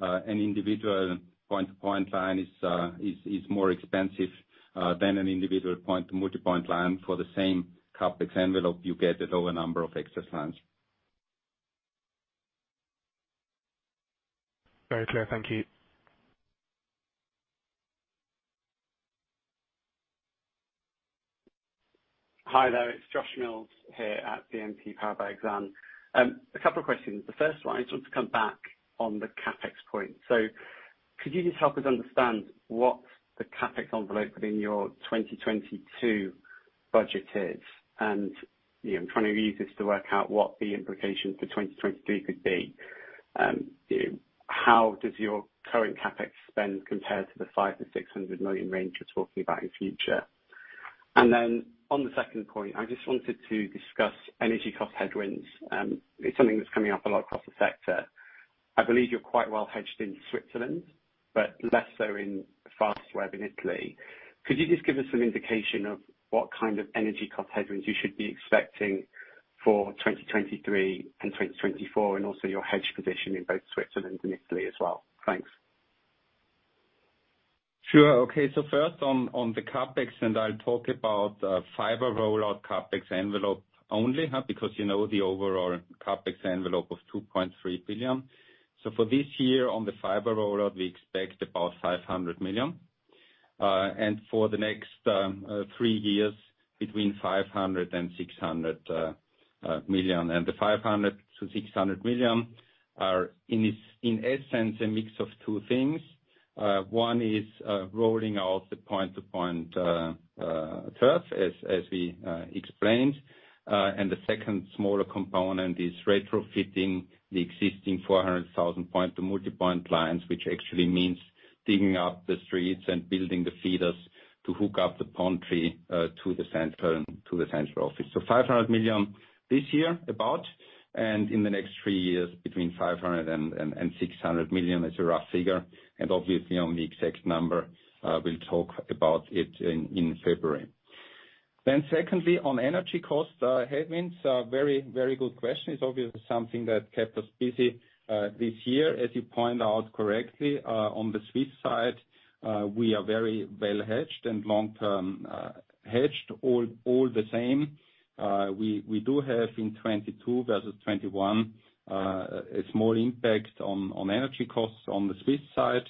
an individual point-to-point line is more expensive than an individual point-to-multipoint line. For the same CapEx envelope, you get a lower number of access lines. Very clear. Thank you. Hi there. It's Josh Mills here at BNP Paribas Exane. A couple of questions. The first one, I just want to come back on the CapEx point. Could you just help us understand what the CapEx envelope within your 2022 budget is? You know, I'm trying to use this to work out what the implications for 2023 could be. How does your current CapEx spend compare to the 500-600 million range you're talking about in future? On the second point, I just wanted to discuss energy cost headwinds. It's something that's coming up a lot across the sector. I believe you're quite well hedged in Switzerland, but less so in Fastweb in Italy. Could you just give us an indication of what kind of energy cost headwinds you should be expecting for 2023 and 2024, and also your hedge position in both Switzerland and Italy as well? Thanks. Sure. Okay. First on the CapEx, and I'll talk about fiber rollout CapEx envelope only. Because you know the overall CapEx envelope of 2.3 billion. For this year on the fiber rollout, we expect about 500 million. And for the next three years between 500 million and 600 million. The 500 million-600 million are in essence a mix of two things. One is rolling out the point-to-point FTTH, as we explained. And the second smaller component is retrofitting the existing 400,000 point-to-multipoint lines, which actually means digging up the streets and building the feeders to hook up the PON tree to the central office. 500 million this year, about. In the next three years, between 500 million and 600 million is a rough figure. Obviously, on the exact number, we'll talk about it in February. Secondly, on energy costs headwinds, a very good question. It's obviously something that kept us busy this year. As you pointed out correctly, on the Swiss side, we are very well hedged and long-term hedged all the same. We do have in 2022 versus 2021, a small impact on energy costs on the Swiss side.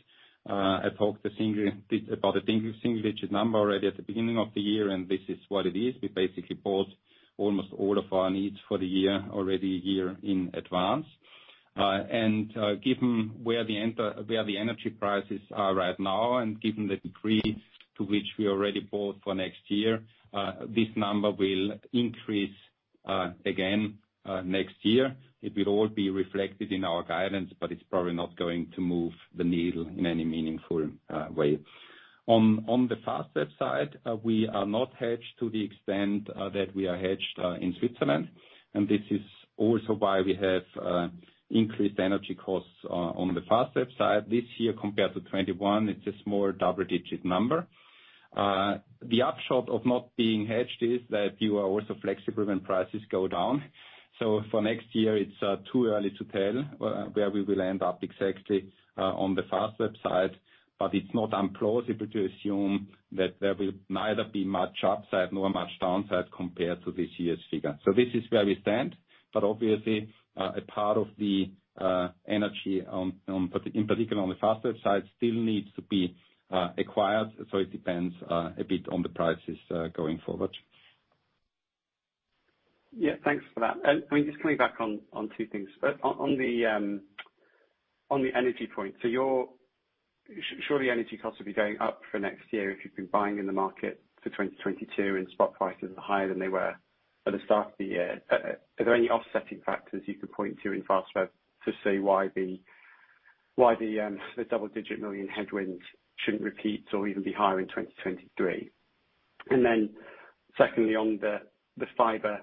I talked about a single-digit number already at the beginning of the year, and this is what it is. We basically bought almost all of our needs for the year, already a year in advance. Given where the energy prices are right now, and given the degree to which we already bought for next year, this number will increase, again, next year. It will all be reflected in our guidance, but it's probably not going to move the needle in any meaningful way. On the Fastweb side, we are not hedged to the extent that we are hedged in Switzerland. This is also why we have increased energy costs on the Fastweb side this year compared to 2021. It's a small double-digit number. The upshot of not being hedged is that you are also flexible when prices go down. For next year, it's too early to tell where we will end up exactly on the Fastweb side. It's not implausible to assume that there will neither be much upside nor much downside compared to this year's figure. This is where we stand. Obviously, a part of the synergy, in particular on the Fastweb side, still needs to be acquired. It depends a bit on the prices going forward. Yeah. Thanks for that. I mean, just coming back on two things. On the energy point, surely energy costs will be going up for next year if you've been buying in the market for 2022 and spot prices are higher than they were at the start of the year. Are there any offsetting factors you could point to in Fastweb to say why the double-digit million headwinds shouldn't repeat or even be higher in 2023? Secondly, on the fiber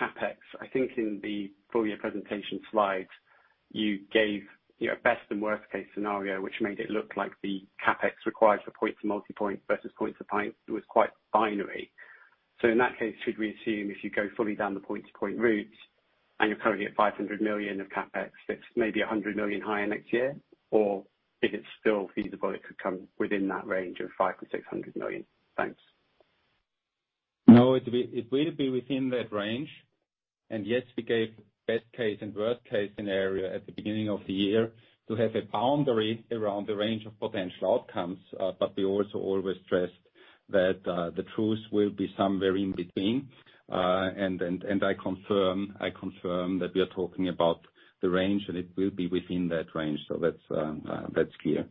CapEx, I think in the full year presentation slides, you gave, you know, best and worst case scenario, which made it look like the CapEx required for point-to-multipoint versus point-to-point was quite binary. In that case, should we assume if you go fully down the point-to-point route and you're currently at 500 million of CapEx, that's maybe 100 million higher next year? Or is it still feasible it could come within that range of 500-600 million? Thanks. No, it will be within that range. Yes, we gave best case and worst case scenario at the beginning of the year to have a boundary around the range of potential outcomes. We also always stressed that the truth will be somewhere in between. I confirm that we are talking about the range, and it will be within that range. That's clear.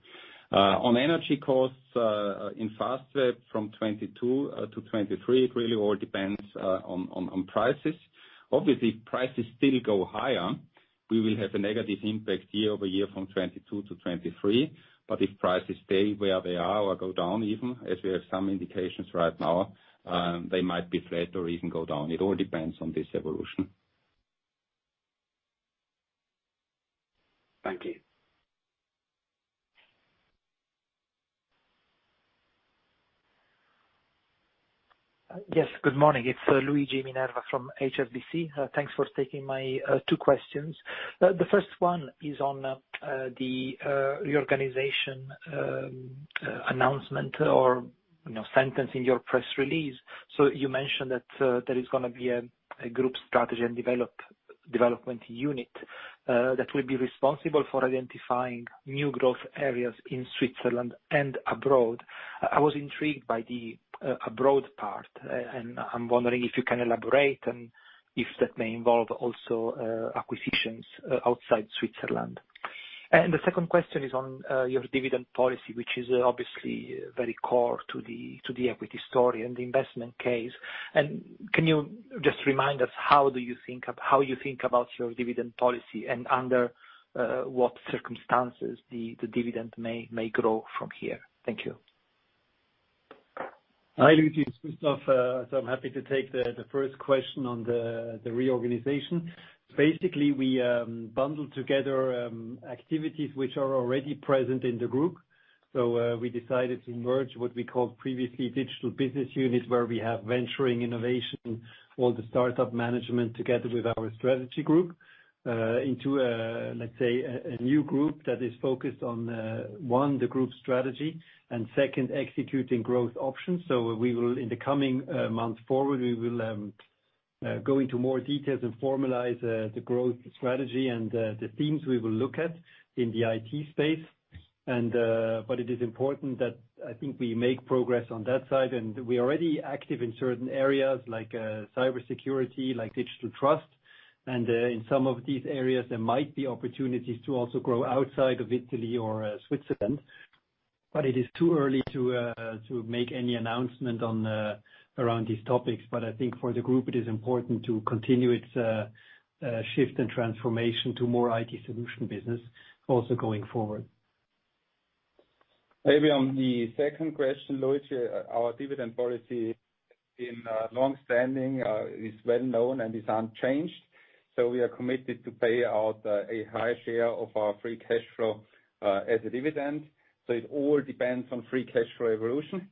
On energy costs in Fastweb from 2022 to 2023, it really all depends on prices. Obviously, if prices still go higher, we will have a negative impact year-over-year from 2022 to 2023. If prices stay where they are or go down even, as we have some indications right now, they might be flat or even go down. It all depends on this evolution. Thank you. Yes, good morning. It's Luigi Minerva from HSBC. Thanks for taking my two questions. The first one is on the reorganization announcement or, you know, sentence in your press release. You mentioned that there is gonna be a group strategy and development unit that will be responsible for identifying new growth areas in Switzerland and abroad. I was intrigued by the abroad part. I'm wondering if you can elaborate and if that may involve also acquisitions outside Switzerland. The second question is on your dividend policy, which is obviously very core to the equity story and investment case. Can you just remind us how do you think of, how you think about your dividend policy and under what circumstances the dividend may grow from here? Thank you. Hi, Luigi. It's Christoph. I'm happy to take the first question on the reorganization. Basically, we bundle together activities which are already present in the group. We decided to merge what we called previously Digital Business unit, where we have venturing innovation, all the startup management together with our strategy group, into let's say a new group that is focused on one, the group strategy, and second, executing growth options. We will, in the coming months forward, we will Go into more details and formalize the growth strategy and the themes we will look at in the IT space. It is important that, I think, we make progress on that side. We are already active in certain areas, like cybersecurity, like digital trust. In some of these areas, there might be opportunities to also grow outside of Italy or Switzerland. It is too early to make any announcement on or around these topics. I think for the group, it is important to continue its shift and transformation to more IT solution business also going forward. Maybe on the second question, Louis, our dividend policy has been longstanding, is well-known and is unchanged. We are committed to pay out a high share of our free cash flow as a dividend. It all depends on free cash flow evolution.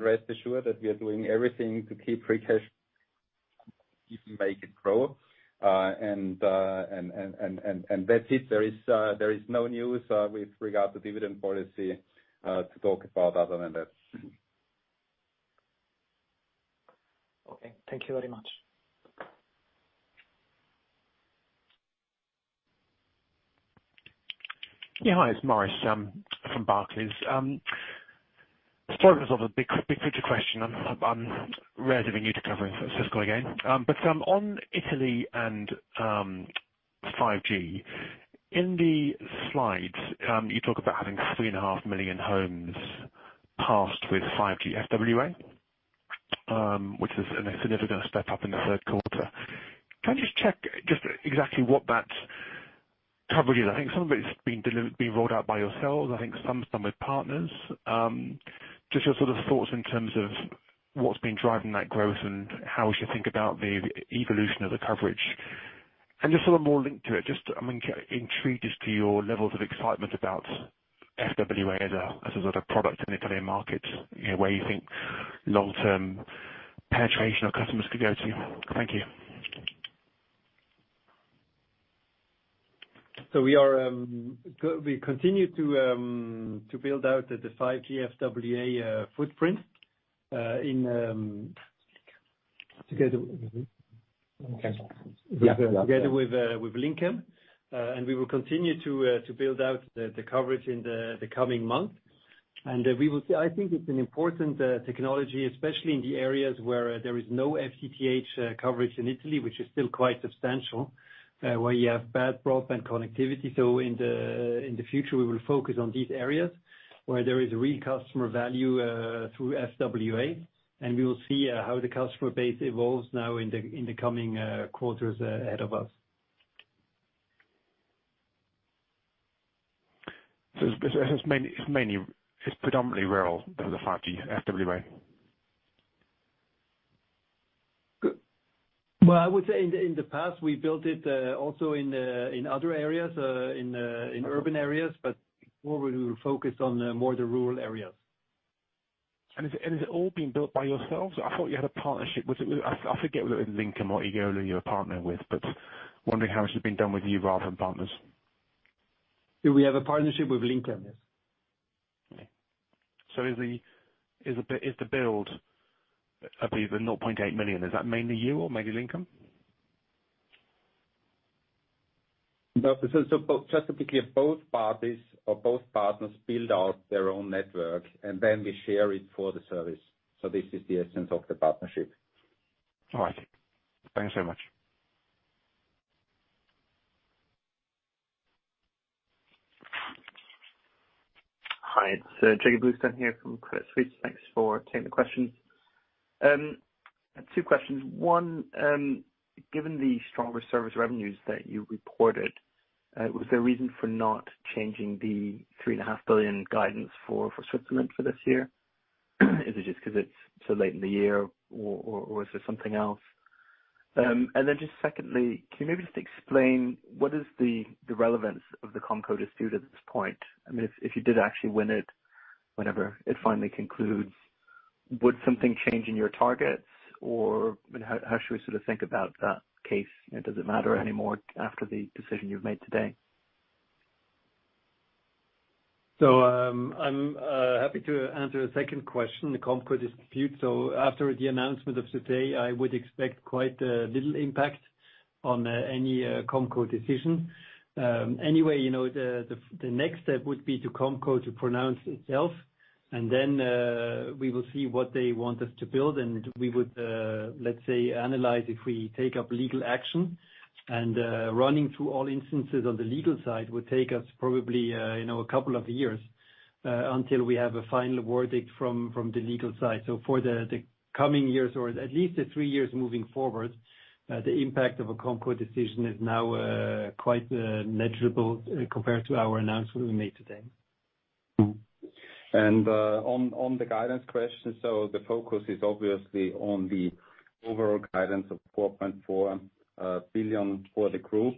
Rest assured that we are doing everything to keep free cash, even make it grow. That's it. There is no news with regard to dividend policy to talk about other than that. Okay. Thank you very much. Yeah. Hi, it's Maurice from Barclays. Start with sort of a big picture question. I'm relatively new to covering Swisscom again. On Italy and 5G, in the slides, you talk about having 3.5 million homes passed with 5G FWA, which is a significant step up in the third quarter. Can I just check exactly what that coverage is? I think some of it's being rolled out by yourselves, I think some with partners. Just your sort of thoughts in terms of what's been driving that growth and how we should think about the evolution of the coverage. Just sort of more linked to it, just, I mean, intrigued as to your levels of excitement about FWA as a sort of product in the Italian market, you know, where you think long-term penetration of customers could go to. Thank you. We continue to build out the 5G FWA footprint together with Linkem. We will continue to build out the coverage in the coming months. We will see. I think it's an important technology, especially in the areas where there is no FTTH coverage in Italy, which is still quite substantial, where you have bad broadband connectivity. In the future, we will focus on these areas where there is real customer value through FWA, and we will see how the customer base evolves now in the coming quarters ahead of us. It's predominantly rural, the 5G FWA. Good. Well, I would say in the past, we built it also in other areas, in urban areas, but before we were focused more on the rural areas. Is it all being built by yourselves? I thought you had a partnership with, I forget whether it was Linkem or EOLO you were partnering with, but wondering how much has been done with you rather than partners. Yeah, we have a partnership with Linkem, yes. Okay. Is the build of the 0.8 million mainly you or mainly Linkem? No, both. Just to be clear, both parties or both partners build out their own network and then we share it for the service. This is the essence of the partnership. All right. Thanks so much. Hi, it's Jakob Bluestone here from Credit Suisse. Thanks for taking the questions. Two questions. One, given the stronger service revenues that you reported, was there a reason for not changing the 3.5 billion guidance for Switzerland for this year? Is it just 'cause it's so late in the year or is there something else? And then just secondly, can you maybe just explain what is the relevance of the COMCO dispute at this point? I mean, if you did actually win it, whenever it finally concludes, would something change in your targets or, I mean, how should we sort of think about that case? You know, does it matter anymore after the decision you've made today? I'm happy to answer the second question, the COMCO dispute. After the announcement of today, I would expect quite little impact on any COMCO decision. Anyway, you know, the next step would be to COMCO to pronounce itself. We will see what they want us to build, and we would, let's say, analyze if we take up legal action. Running through all instances on the legal side would take us probably, you know, a couple of years, until we have a final verdict from the legal side. For the coming years or at least the three years moving forward, the impact of a COMCO decision is now quite negligible, compared to our announcement we made today. On the guidance question. The focus is obviously on the overall guidance of 4.4 billion for the group.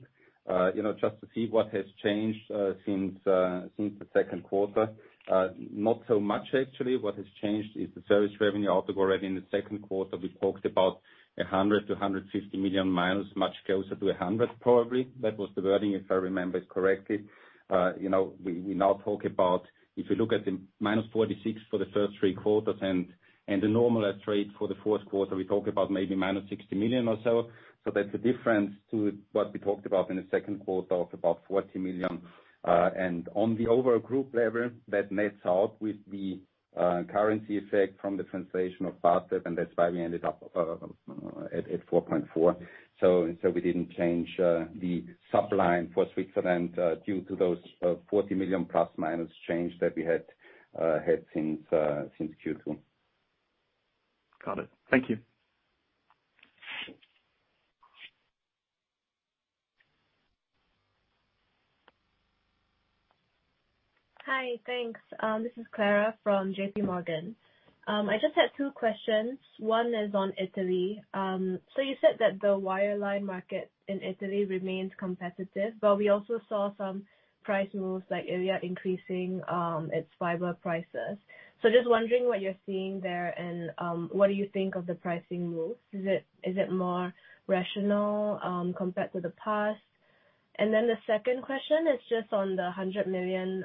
You know, just to see what has changed since the second quarter. Not so much actually. What has changed is the service revenue. Although already in the second quarter we talked about 100 million--150 million, much closer to -100 probably. That was the wording, if I remember it correctly. You know, we now talk about if you look at the -46 million for the first three quarters and the normal rate for the fourth quarter, we talk about maybe -60 million or so. That's a difference to what we talked about in the second quarter of about 40 million, and on the overall group level, that nets out with the currency effect from the translation of Fastweb, and that's why we ended up at 4.4%. We didn't change the sub-line for Switzerland due to those 40 million ± change that we had since Q2. Got it. Thank you. Hi. Thanks. This is Clara from JP Morgan. I just had two questions. One is on Italy. So you said that the wireline market in Italy remains competitive, but we also saw some price moves like Iliad increasing its fiber prices. So just wondering what you're seeing there and what do you think of the pricing moves? Is it more rational compared to the past? And then the secon d question is just on the 100 million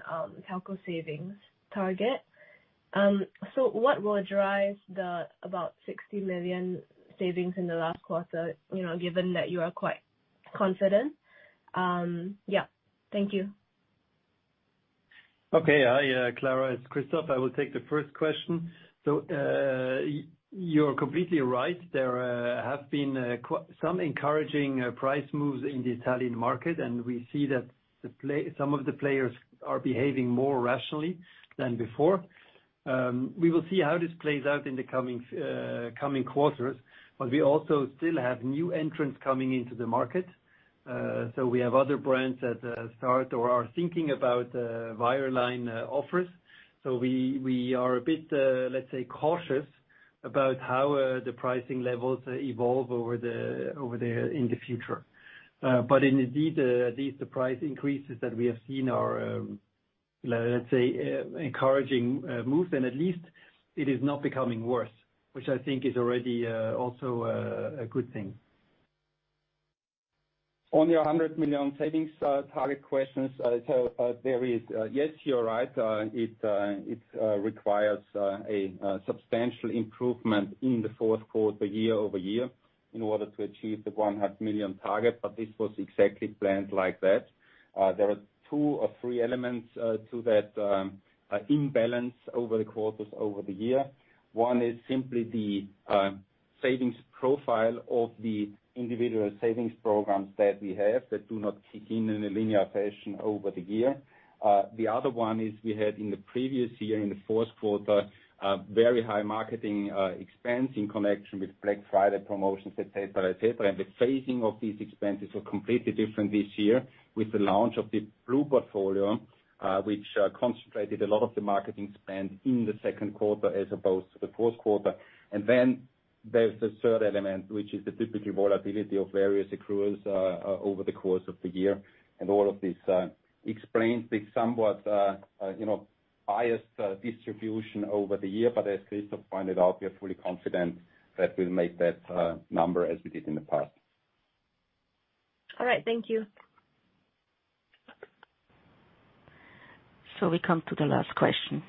telco savings target. So what will drive the about 60 million savings in the last quarter, you know, given that you are quite confident? Thank you. Okay. Hi, Clara. It's Christoph. I will take the first question. You're completely right. There have been some encouraging price moves in the Italian market, and we see that some of the players are behaving more rationally than before. We will see how this plays out in the coming quarters. We also still have new entrants coming into the market, so we have other brands that start or are thinking about wireline offers. We are a bit, let's say, cautious about how the pricing levels evolve over the in the future. Indeed, at least the price increases that we have seen are, let's say, encouraging moves. At least it is not becoming worse, which I think is already, also, a good thing. Regarding your 100 million savings target questions. Yes, you're right. It requires a substantial improvement in the fourth quarter year-over-year in order to achieve the 100 million target, but this was exactly planned like that. There are two or three elements to that imbalance over the quarters over the year. One is simply the savings profile of the individual savings programs that we have that do not kick in in a linear fashion over the year. The other one is we had in the previous year, in the fourth quarter, very high marketing expense in connection with Black Friday promotions, et cetera, et cetera. The phasing of these expenses were completely different this year with the launch of the Blue portfolio, which concentrated a lot of the marketing spend in the second quarter as opposed to the fourth quarter. There's the third element, which is the typical volatility of various accruals over the course of the year. All of this explains the somewhat, you know, biased distribution over the year. As Christoph pointed out, we are fully confident that we'll make that number as we did in the past. All right. Thank you. We come to the last question.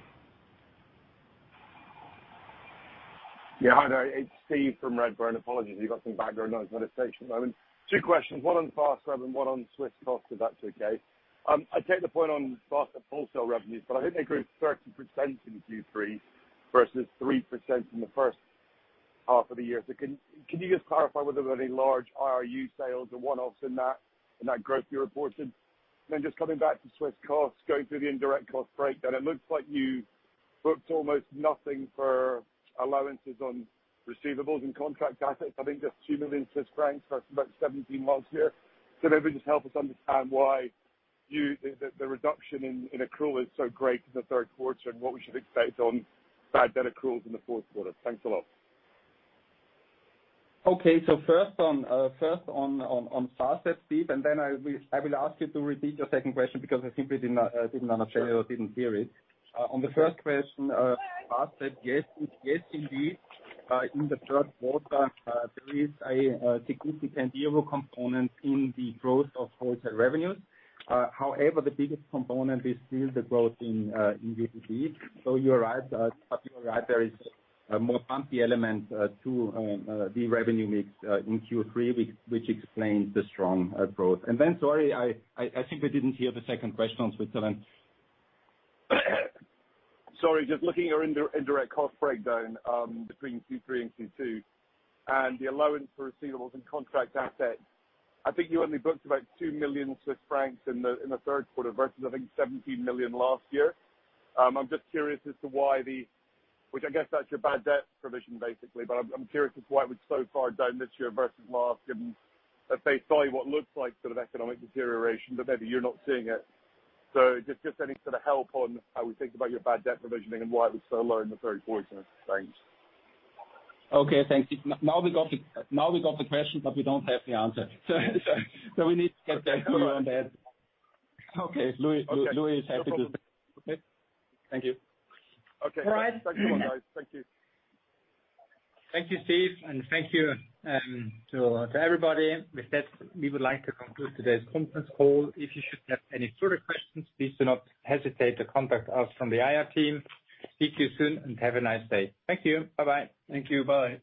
Yeah. Hi there. It's Steve from Redburn. Apologies you got some background noise. Mid-station at the moment. Two questions. One on Fastweb and one on Swisscom costs, if that's okay. I take the point on Fastweb wholesale revenues, but I think they grew 13% in Q3 versus 3% in the first half of the year. Can you just clarify whether there were any large IRU sales or one-offs in that growth you reported? Just coming back to Swisscom costs, going through the indirect cost breakdown, it looks like you booked almost nothing for allowances on receivables and contract assets. I think just 2 million Swiss francs versus about 17 million last year. Maybe just help us understand why the reduction in accrual is so great in the third quarter and what we should expect on bad debt accruals in the fourth quarter. Thanks a lot. Okay. First on Fastweb, Steve, and then I will ask you to repeat your second question because I simply did not, didn't understand or didn't hear it. On the first question, Fastweb, yes, indeed, in the third quarter, there is a significant IRU component in the growth of wholesale revenues. However, the biggest component is still the growth in B2B. So you're right. But you're right, there is a more bumpy element to the revenue mix in Q3, which explains the strong approach. Sorry, I think I didn't hear the second question on Switzerland. Sorry. Just looking at your indirect cost breakdown between Q3 and Q2 and the allowance for receivables and contract assets. I think you only booked about 2 million Swiss francs in the third quarter versus, I think, 17 million last year. I'm just curious as to why. Which I guess that's your bad debt provision, basically. I'm curious as to why it was so far down this year versus last, given that they saw what looks like sort of economic deterioration, but maybe you're not seeing it. Just any sort of help on how we think about your bad debt provisioning and why it was so low in the third quarter. Thanks. Okay, thank you. Now we got the question, but we don't have the answer. We need to get back to you on that. Okay. Louis is happy to. Okay. No problem. Okay. Thank you. Okay. All right. Thanks a lot, guys. Thank you. Thank you, Steve, and thank you to everybody. With that, we would like to conclude today's conference call. If you should have any further questions, please do not hesitate to contact us from the IR team. Speak to you soon and have a nice day. Thank you. Bye-bye. Thank you. Bye.